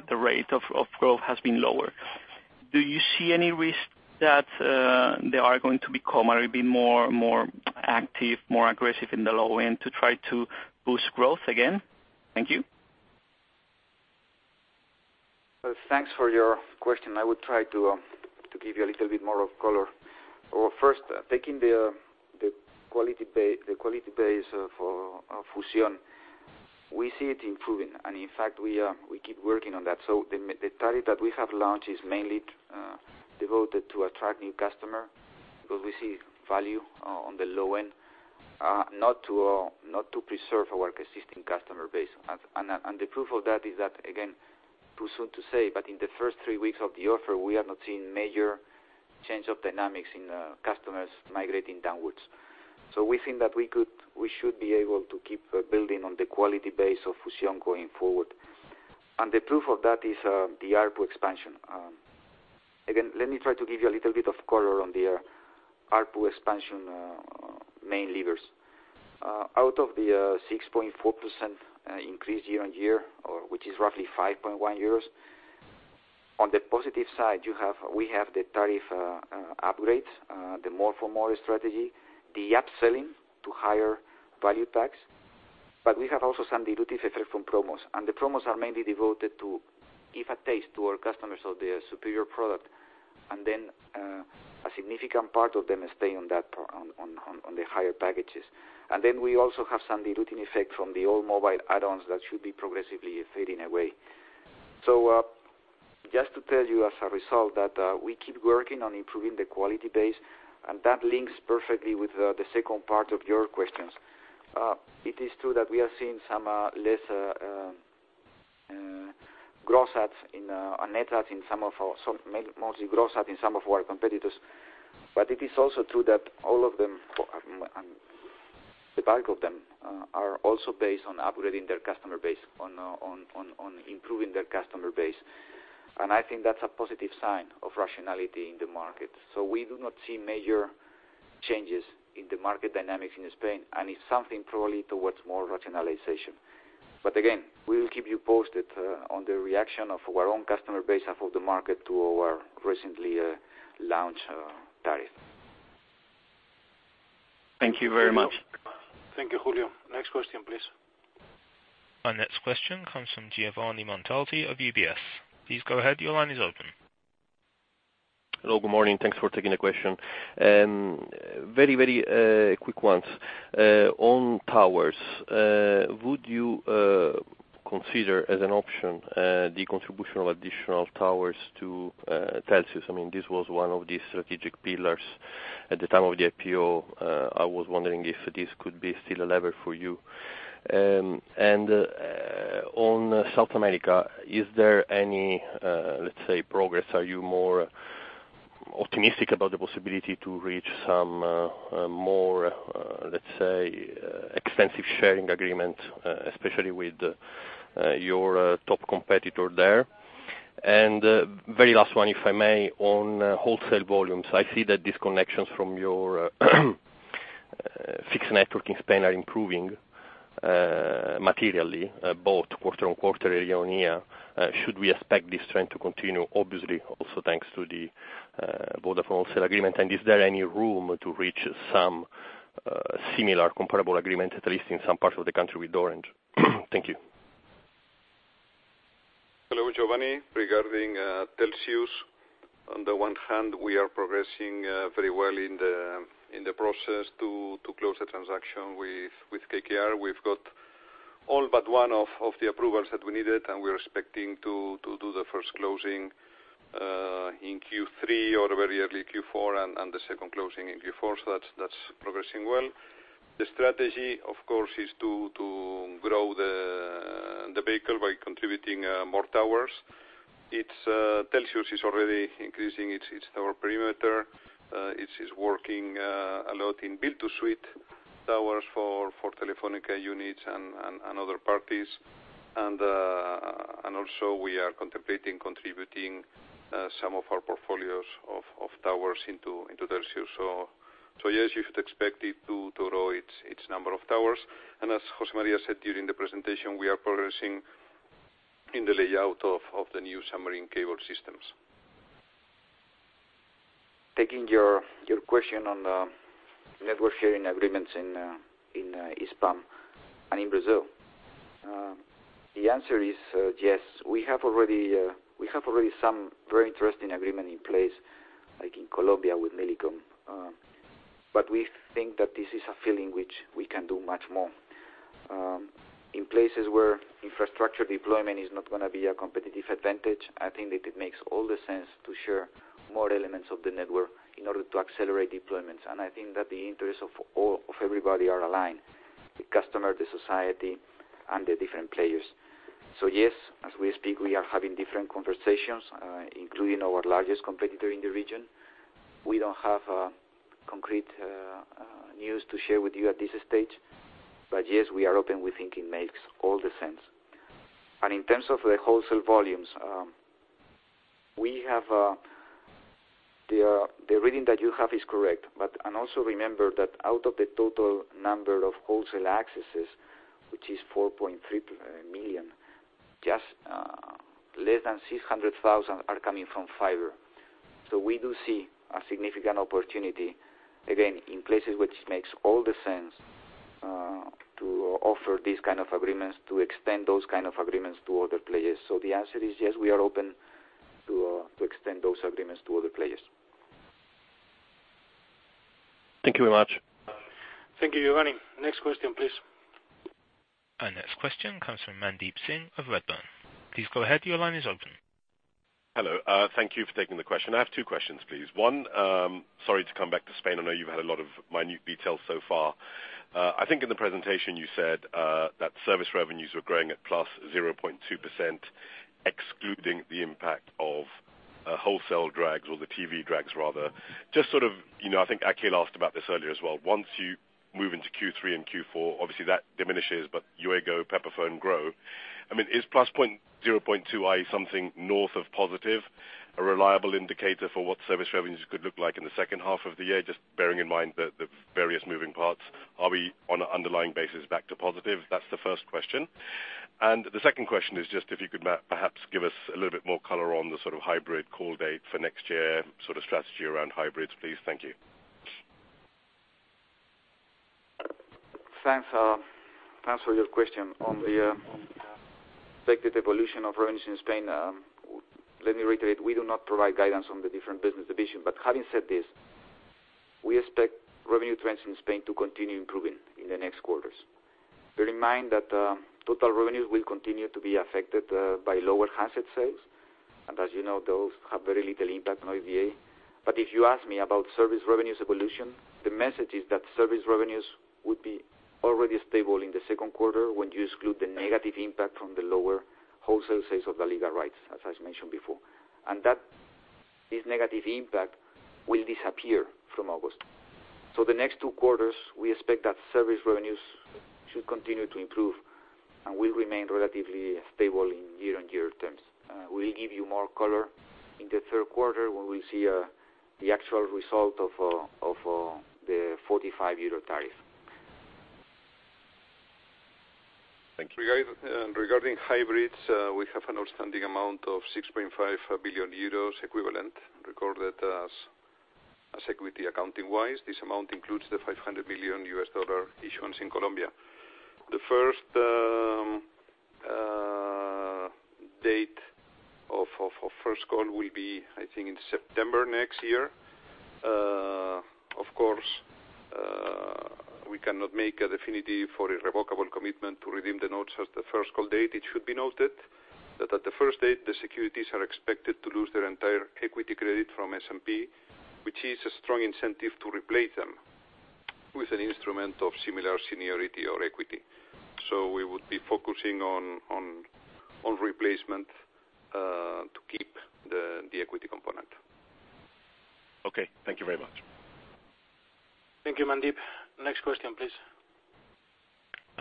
The rate of growth has been lower. Do you see any risk that they are going to become a little bit more active, more aggressive in the low end to try to boost growth again? Thank you.
Thanks for your question. I would try to give you a little bit more of color. First, taking the quality base for Fusión, we see it improving, and in fact, we keep working on that. The tariff that we have launched is mainly devoted to attract new customer, because we see value on the low end. Not to preserve our existing customer base. The proof of that is that, again, too soon to say, but in the first 3 weeks of the offer, we have not seen major change of dynamics in customers migrating downwards. We think that we should be able to keep building on the quality base of Fusión going forward. The proof of that is the ARPU expansion. Again, let me try to give you a little bit of color on the ARPU expansion main levers. Out of the 6.4% increase year-on-year, which is roughly 5.1 euros, on the positive side, we have the tariff upgrades, the more for more strategy, the upselling to higher value tags. We have also some dilutive effect from promos. The promos are mainly devoted to give a taste to our customers of the superior product. A significant part of them stay on the higher packages. We also have some diluting effect from the old mobile add-ons that should be progressively fading away. Just to tell you as a result that we keep working on improving the quality base, and that links perfectly with the second part of your questions. It is true that we are seeing some less gross adds and net adds, mostly gross add, in some of our competitors. It is also true that all of them, the bulk of them, are also based on upgrading their customer base, on improving their customer base. I think that's a positive sign of rationality in the market. We do not see major changes in the market dynamics in Spain, and it's something probably towards more rationalization. Again, we will keep you posted on the reaction of our own customer base and of the market to our recently launched tariff.
Thank you very much.
Thank you, Julio. Next question, please.
Our next question comes from Giovanni Montalti of UBS. Please go ahead. Your line is open.
Hello, good morning. Thanks for taking the question. Very quick ones. On towers, would you consider as an option the contribution of additional towers to Telxius? This was one of the strategic pillars at the time of the IPO. I was wondering if this could be still a lever for you. On South America, is there any progress? Are you more optimistic about the possibility to reach some more extensive sharing agreement, especially with your top competitor there? Very last one, if I may, on wholesale volumes. I see that disconnections from your fixed network in Spain are improving materially both quarter-over-quarter and year-over-year. Should we expect this trend to continue, obviously also thanks to the Vodafone wholesale agreement, and is there any room to reach some similar comparable agreement, at least in some parts of the country, with Orange? Thank you.
Hello, Giovanni. Regarding Telxius, on the one hand, we are progressing very well in the process to close the transaction with KKR. We've got All but one of the approvals that we needed, and we're expecting to do the first closing in Q3 or very early Q4, and the second closing in Q4. That's progressing well. The strategy, of course, is to grow the vehicle by contributing more towers. Telxius is already increasing its tower perimeter. It is working a lot in build-to-suit towers for Telefónica units and other parties. Also we are contemplating contributing some of our portfolios of towers into Telxius. Yes, you should expect it to grow its number of towers. As José María said during the presentation, we are progressing in the layout of the new submarine cable systems.
Taking your question on the network sharing agreements in Hispam and in Brazil. The answer is yes, we have already some very interesting agreement in place, like in Colombia with Millicom. We think that this is a field in which we can do much more. In places where infrastructure deployment is not going to be a competitive advantage, I think that it makes all the sense to share more elements of the network in order to accelerate deployments. I think that the interests of everybody are aligned, the customer, the society, and the different players. Yes, as we speak, we are having different conversations, including our largest competitor in the region. We don't have concrete news to share with you at this stage. Yes, we are open. We think it makes all the sense. In terms of the wholesale volumes, the reading that you have is correct. Also remember that out of the total number of wholesale accesses, which is 4.3 million, just less than 600,000 are coming from fiber. We do see a significant opportunity, again, in places which makes all the sense to offer these kind of agreements, to extend those kind of agreements to other players. The answer is, yes, we are open to extend those agreements to other players.
Thank you very much.
Thank you, Giovanni. Next question, please.
Our next question comes from Mandeep Singh of Redburn. Please go ahead. Your line is open.
Hello. Thank you for taking the question. I have two questions, please. One, sorry to come back to Spain. I know you've had a lot of minute details so far. I think in the presentation you said that service revenues were growing at +0.2%, excluding the impact of wholesale drags or the TV drags, rather. I think Akhil asked about this earlier as well. Once you move into Q3 and Q4, obviously that diminishes, but Yoigo, Pepephone grow. Is +0.2, i.e., something north of positive, a reliable indicator for what service revenues could look like in the second half of the year? Just bearing in mind the various moving parts, are we on an underlying basis back to positive? That's the first question. The second question is just if you could perhaps give us a little bit more color on the sort of hybrid call date for next year, strategy around hybrids, please. Thank you.
Thanks. To answer your question on the expected evolution of revenues in Spain, let me reiterate, we do not provide guidance on the different business division. Having said this, we expect revenue trends in Spain to continue improving in the next quarters. Bear in mind that total revenues will continue to be affected by lower handset sales. As you know, those have very little impact on OIBDA. If you ask me about service revenues evolution, the message is that service revenues would be already stable in the second quarter when you exclude the negative impact from the lower wholesale sales of LaLiga rights, as I mentioned before. That this negative impact will disappear from August. The next two quarters, we expect that service revenues should continue to improve and will remain relatively stable in year-on-year terms. We'll give you more color in the third quarter when we see the actual result of the 45 euro tariff.
Thank you.
Regarding hybrids, we have an outstanding amount of 6.5 billion euros equivalent recorded as equity, accounting-wise. This amount includes the $500 million issuance in Colombia. The first date of first call will be, I think, in September next year. Of course, we cannot make a definitive or irrevocable commitment to redeem the notes as the first call date. It should be noted that at the first date, the securities are expected to lose their entire equity credit from S&P, which is a strong incentive to replace them with an instrument of similar seniority or equity. We would be focusing on replacement to keep the equity component.
Okay. Thank you very much.
Thank you, Mandeep. Next question, please.
Our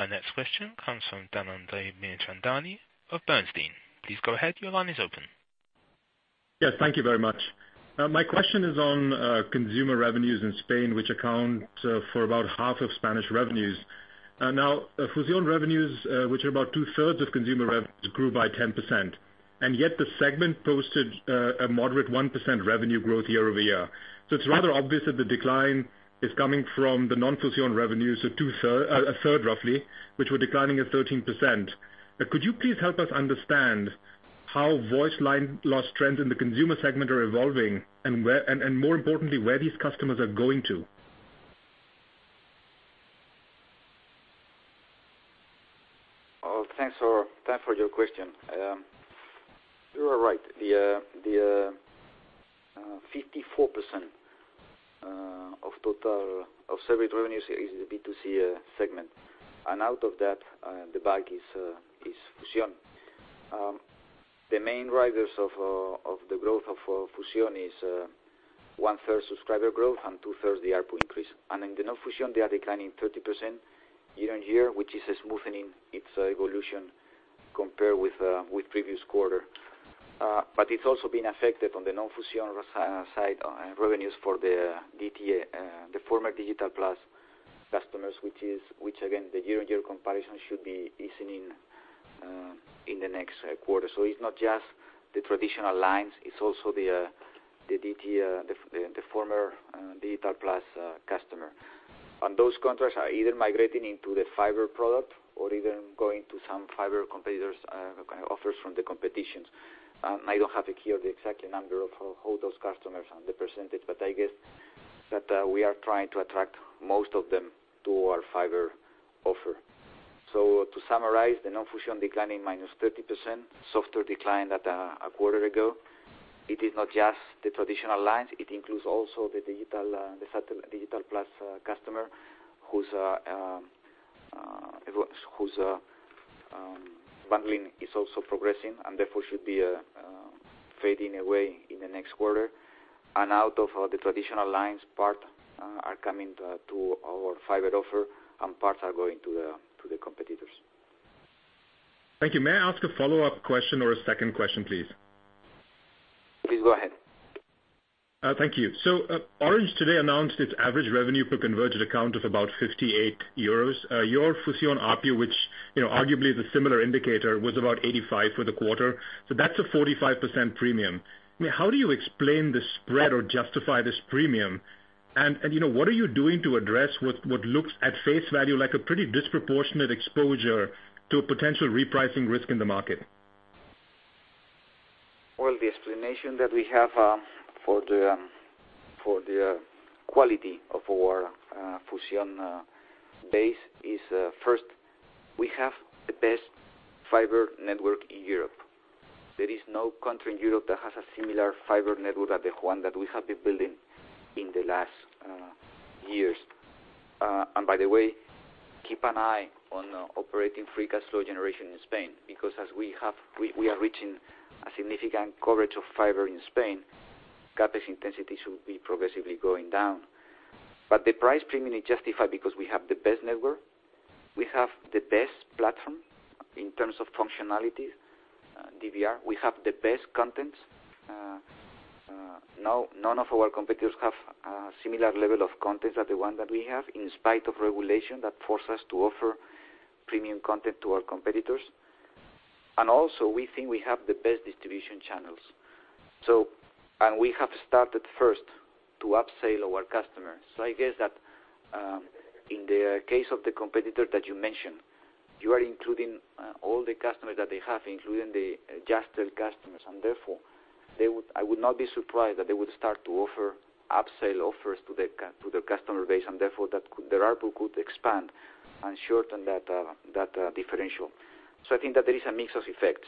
next question comes from Tanmay Binchandani of Bernstein. Please go ahead. Your line is open.
Yes. Thank you very much. My question is on consumer revenues in Spain, which account for about half of Spanish revenues. Fusión revenues, which are about two-thirds of consumer revenues, grew by 10%, and yet the segment posted a moderate 1% revenue growth year-over-year. It's rather obvious that the decline is coming from the non-Fusión revenues, a third roughly, which were declining at 13%. Could you please help us understand how voice line loss trends in the consumer segment are evolving, and more importantly, where these customers are going to?
Thanks for your question. You are right. The 54% of total service revenues is the B2C segment. Out of that, the bulk is Fusión. The main drivers of the growth of Fusión is one-third subscriber growth and two-thirds the ARPU increase. In the non-Fusión, they are declining 30% year-on-year, which is a smoothening its evolution compared with previous quarter. It's also been affected on the non-Fusión side, revenues for the DTS, the former Digital+ customers, which again, the year-on-year comparison should be easing in the next quarter. It's not just the traditional lines, it's also the DTS, the former Digital+ customer. Those contracts are either migrating into the fiber product or even going to some fiber competitors, offers from the competitions. I don't have here the exact number of all those customers and the percentage, but I guess that we are trying to attract most of them to our fiber offer. To summarize, the non-Fusión declining -30%, softer decline than a quarter ago. It is not just the traditional lines. It includes also the Digital+ customer whose bundling is also progressing and therefore should be fading away in the next quarter. Out of the traditional lines, part are coming to our fiber offer, and part are going to the competitors.
Thank you. May I ask a follow-up question or a second question, please?
Please go ahead.
Thank you. Orange today announced its average revenue per converted account of about 58 euros. Your Fusión ARPU, which arguably is a similar indicator, was about 85 for the quarter. That's a 45% premium. How do you explain this spread or justify this premium? What are you doing to address what looks at face value like a pretty disproportionate exposure to a potential repricing risk in the market?
The explanation that we have for the quality of our Fusión base is, first, we have the best fiber network in Europe. There is no country in Europe that has a similar fiber network as the one that we have been building in the last years. By the way, keep an eye on operating free cash flow generation in Spain, because as we are reaching a significant coverage of fiber in Spain, CapEx intensity should be progressively going down. The price premium is justified because we have the best network. We have the best platform in terms of functionality, DVR. We have the best content. None of our competitors have a similar level of content as the one that we have, in spite of regulation that force us to offer premium content to our competitors. Also, we think we have the best distribution channels. We have started first to upsell our customers. I guess that in the case of the competitor that you mentioned, you are including all the customers that they have, including the Jazztel customers. Therefore, I would not be surprised that they would start to offer upsell offers to their customer base. Therefore, their ARPU could expand and shorten that differential. I think that there is a mix of effects.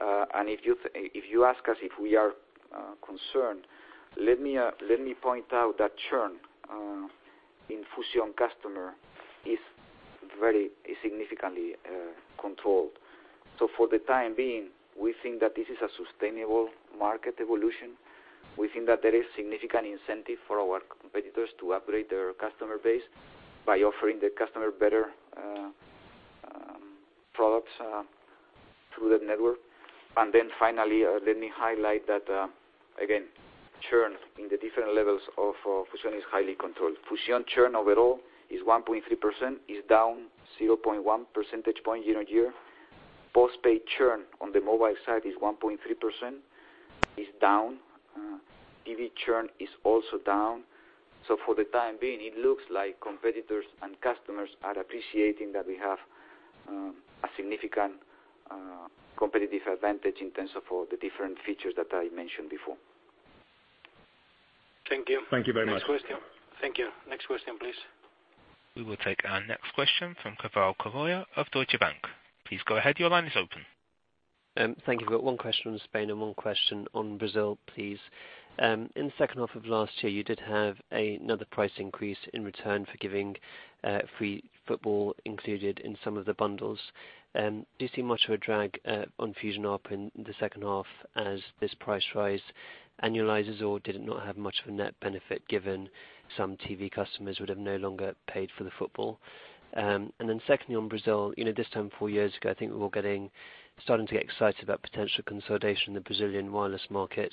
If you ask us if we are concerned, let me point out that churn in Fusión customer is very significantly controlled. For the time being, we think that this is a sustainable market evolution. We think that there is significant incentive for our competitors to upgrade their customer base by offering the customer better products through the network. Finally, let me highlight that, again, churn in the different levels of Fusión is highly controlled. Fusión churn overall is 1.3%, is down 0.1 percentage point year-on-year. Postpaid churn on the mobile side is 1.3%, is down. TV churn is also down. For the time being, it looks like competitors and customers are appreciating that we have a significant competitive advantage in terms of all the different features that I mentioned before. Thank you. Thank you very much. Next question. Thank you. Next question, please.
We will take our next question from Keval Khiroya of Deutsche Bank. Please go ahead. Your line is open.
Thank you. I got one question on Spain and one question on Brazil, please. In the second half of last year, you did have another price increase in return for giving free football included in some of the bundles. Do you see much of a drag on Fusión ARPU in the second half as this price rise annualizes, or did it not have much of a net benefit given some TV customers would have no longer paid for the football? Secondly, on Brazil, this time four years ago, I think we were starting to get excited about potential consolidation in the Brazilian wireless market.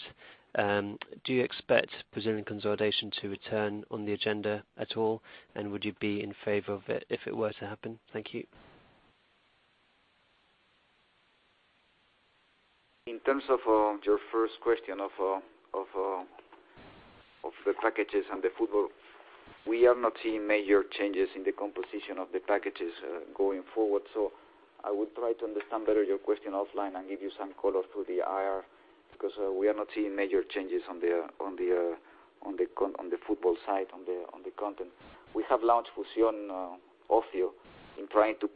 Do you expect Brazilian consolidation to return on the agenda at all? Would you be in favor of it if it were to happen? Thank you.
In terms of your first question of the packages and the football, we are not seeing major changes in the composition of the packages going forward. I would try to understand better your question offline and give you some color through the IR. Because we are not seeing major changes on the football side, on the content. We have launched Fusión+ Ocio in trying to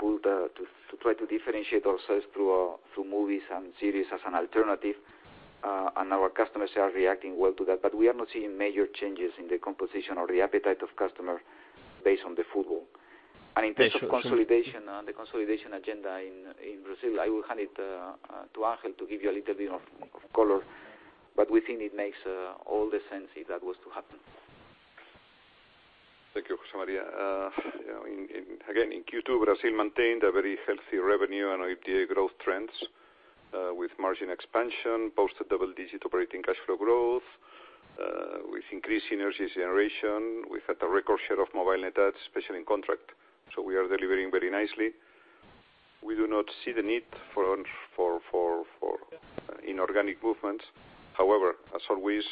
differentiate ourselves through movies and series as an alternative, and our customers are reacting well to that. We are not seeing major changes in the composition or the appetite of customers based on the football. In terms of consolidation, on the consolidation agenda in Brazil, I will hand it to Ángel to give you a little bit of color. We think it makes all the sense if that was to happen.
Thank you, José María. Again, in Q2, Brazil maintained a very healthy revenue and OIBDA growth trends with margin expansion, posted double-digit operating cash flow growth. We have increased synergies generation. We have had a record share of mobile net adds, especially in contract. We are delivering very nicely. We do not see the need for inorganic movements. However, as always,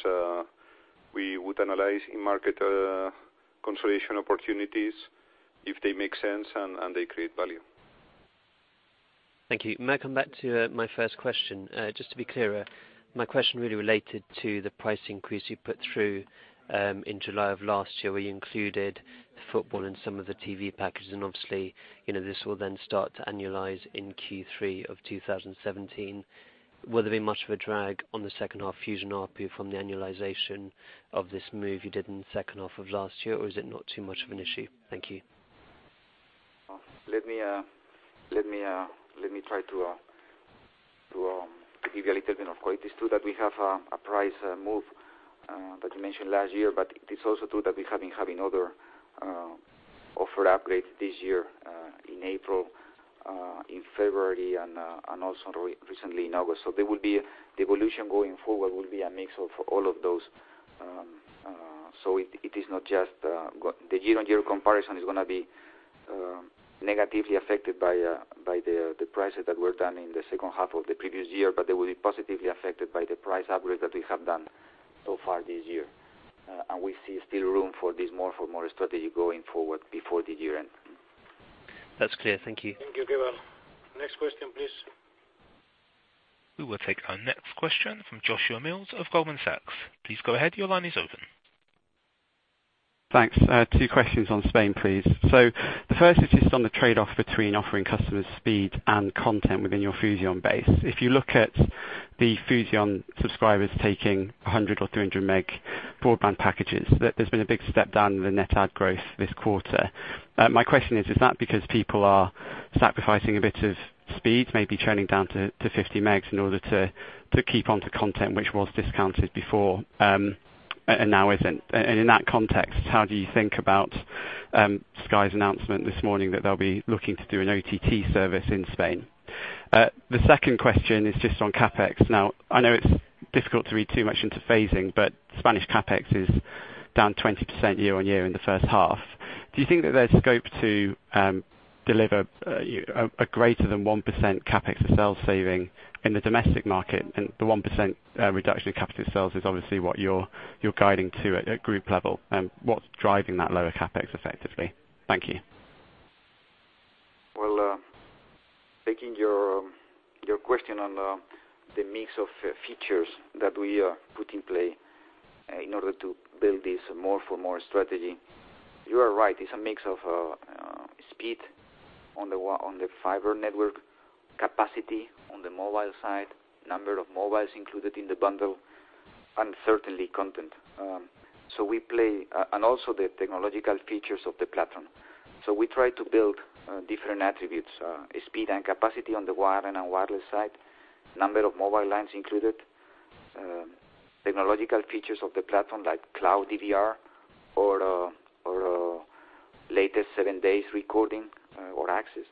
we would analyze in-market consolidation opportunities if they make sense and they create value.
Thank you. May I come back to my first question? Just to be clearer, my question really related to the price increase you put through in July of last year, where you included the football in some of the TV packages, and obviously, this will then start to annualize in Q3 of 2017. Will there be much of a drag on the second half Fusión ARPU from the annualization of this move you did in the second half of last year, or is it not too much of an issue? Thank you.
Let me try to give you a little bit of guidance to that. We have a price move, that you mentioned last year, but it is also true that we have been having other offer upgrades this year in April, in February, and also recently in August. The evolution going forward will be a mix of all of those. The year-on-year comparison is going to be negatively affected by the prices that were done in the second half of the previous year, but they will be positively affected by the price upgrades that we have done so far this year. We see still room for this more for more strategy going forward before the year end.
That's clear. Thank you.
Thank you, Keval. Next question, please.
We will take our next question from Joshua Mills of Goldman Sachs. Please go ahead. Your line is open.
Thanks. Two questions on Spain, please. The first is just on the trade-off between offering customers speed and content within your Fusión base. If you look at the Fusión subscribers taking 100 or 300 meg broadband packages, there's been a big step down in the net add growth this quarter. My question is that because people are sacrificing a bit of speed, maybe churning down to 50 megs in order to keep on to content which was discounted before and now isn't? In that context, how do you think about Sky's announcement this morning that they'll be looking to do an OTT service in Spain? The second question is just on CapEx. I know it's difficult to read too much into phasing, but Spanish CapEx is down 20% year-on-year in the first half. Do you think that there's scope to deliver a greater than 1% CapEx to sales saving in the domestic market? The 1% reduction in CapEx to sales is obviously what you're guiding to at group level. What's driving that lower CapEx effectively? Thank you.
Well, taking your question on the mix of features that we put in play in order to build this more for more strategy. You are right, it's a mix of speed on the fiber network, capacity on the mobile side, number of mobiles included in the bundle, and certainly content. Also the technological features of the platform. We try to build different attributes, speed and capacity on the wired and wireless side, number of mobile lines included, technological features of the platform like cloud DVR or latest seven days recording or access.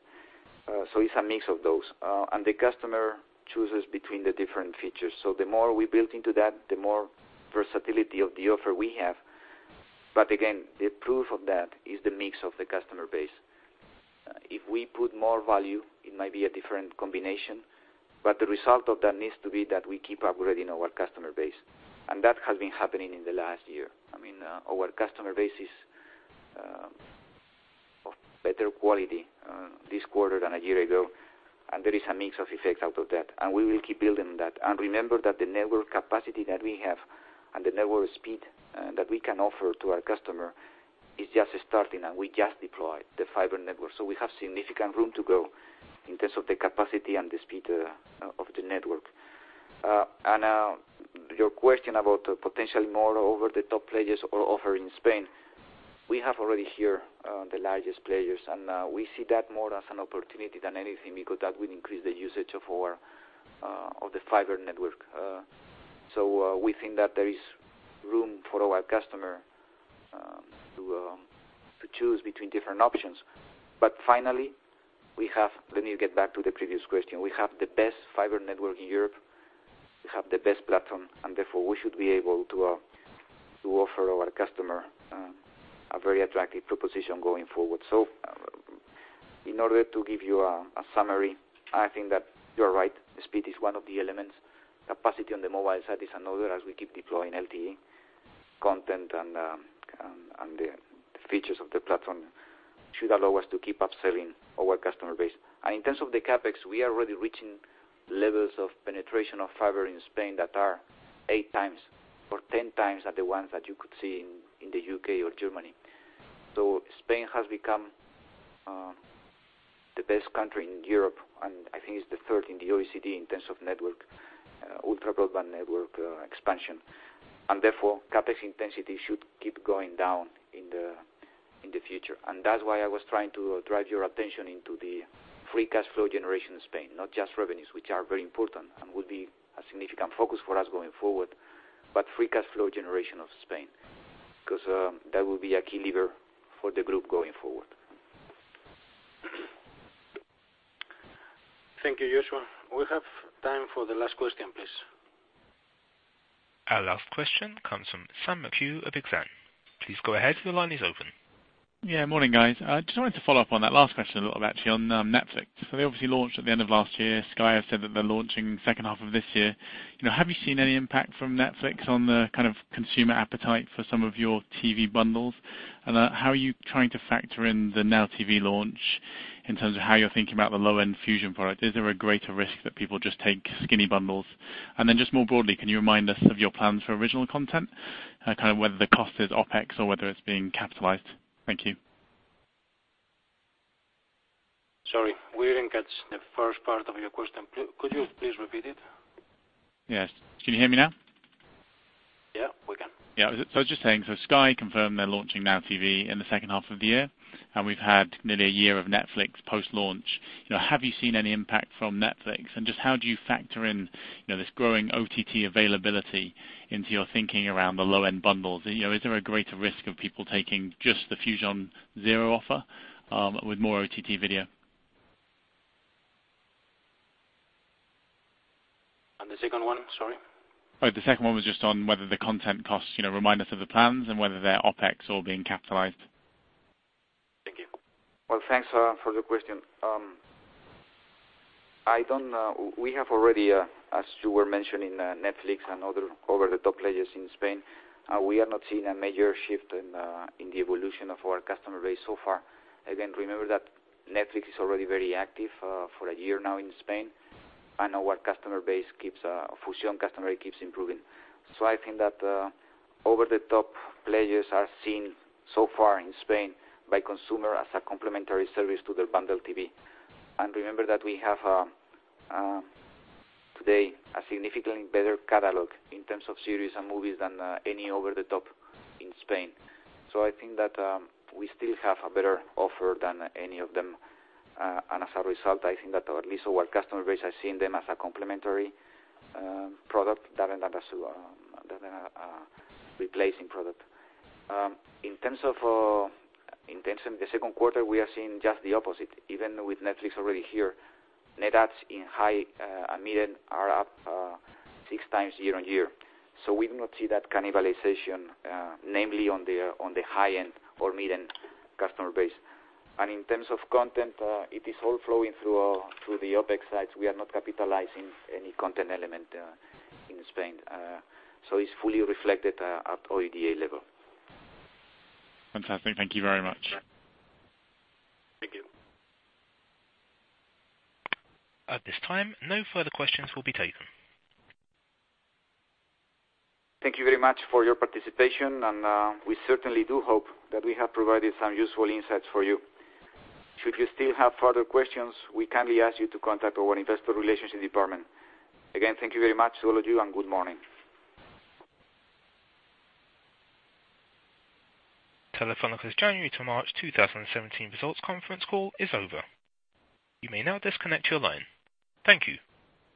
It's a mix of those. The customer chooses between the different features. The more we build into that, the more versatility of the offer we have. Again, the proof of that is the mix of the customer base. If we put more value, it might be a different combination, but the result of that needs to be that we keep upgrading our customer base. That has been happening in the last year. Our customer base is of better quality this quarter than a year ago, and there is a mix of effects out of that. We will keep building that. Remember that the network capacity that we have and the network speed that we can offer to our customer is just starting, and we just deployed the fiber network. We have significant room to go in terms of the capacity and the speed of the network. Your question about potential more over-the-top players or offer in Spain. We have already here the largest players, we see that more as an opportunity than anything because that will increase the usage of the fiber network. We think that there is room for our customer to choose between different options. Finally, let me get back to the previous question. We have the best fiber network in Europe. We have the best platform, therefore, we should be able to offer our customer a very attractive proposition going forward. In order to give you a summary, I think that you're right. The speed is one of the elements. Capacity on the mobile side is another as we keep deploying LTE content. The features of the platform should allow us to keep upselling our customer base. In terms of the CapEx, we are already reaching levels of penetration of fiber in Spain that are eight times or 10 times the ones that you could see in the U.K. or Germany. Spain has become the best country in Europe, I think it's the third in the OECD in terms of ultra broadband network expansion. Therefore, CapEx intensity should keep going down in the future. That's why I was trying to drive your attention into the free cash flow generation in Spain, not just revenues, which are very important and will be a significant focus for us going forward, but free cash flow generation of Spain. That will be a key lever for the group going forward. Thank you, Joshua. We have time for the last question, please.
Our last question comes from Sam McHugh of Exane. Please go ahead, your line is open.
Yeah, morning, guys. Just wanted to follow up on that last question a lot, actually, on Netflix. They obviously launched at the end of last year. Sky have said that they're launching second half of this year. Have you seen any impact from Netflix on the consumer appetite for some of your TV bundles? How are you trying to factor in the Now TV launch in terms of how you're thinking about the low-end Fusión product? Is there a greater risk that people just take skinny bundles? Just more broadly, can you remind us of your plans for original content, whether the cost is OpEx or whether it's being capitalized? Thank you.
Sorry, we didn't catch the first part of your question. Could you please repeat it?
Yes. Can you hear me now?
Yeah, we can.
I was just saying, Sky confirmed they're launching Now TV in the second half of the year, and we've had nearly a year of Netflix post-launch. Have you seen any impact from Netflix? Just how do you factor in this growing OTT availability into your thinking around the low-end bundles? Is there a greater risk of people taking just the Fusión #0 offer with more OTT video?
The second one? Sorry.
The second one was just on whether the content costs, remind us of the plans and whether they're OpEx or being capitalized.
Thank you. Well, thanks for the question. We have already, as you were mentioning, Netflix and other over-the-top players in Spain. We have not seen a major shift in the evolution of our customer base so far. Again, remember that Netflix is already very active for a year now in Spain, and our Fusión customer base keeps improving. I think that over-the-top players are seen so far in Spain by consumer as a complimentary service to their bundle TV. Remember that we have, today, a significantly better catalog in terms of series and movies than any over-the-top in Spain. I think that we still have a better offer than any of them. As a result, I think that at least our customer base are seeing them as a complimentary product rather than a replacing product. In terms of the second quarter, we are seeing just the opposite. Even with Netflix already here, net adds in high and mid-end are up six times year-over-year. We do not see that cannibalization, namely on the high-end or mid-end customer base. In terms of content, it is all flowing through the OpEx side. We are not capitalizing any content element in Spain. It's fully reflected at OIBDA level.
Fantastic. Thank you very much.
Thank you.
At this time, no further questions will be taken.
Thank you very much for your participation, and we certainly do hope that we have provided some useful insights for you. Should you still have further questions, we kindly ask you to contact our investor relations department. Again, thank you very much to all of you, and good morning.
Telefónica's January to March 2017 results conference call is over. You may now disconnect your line. Thank you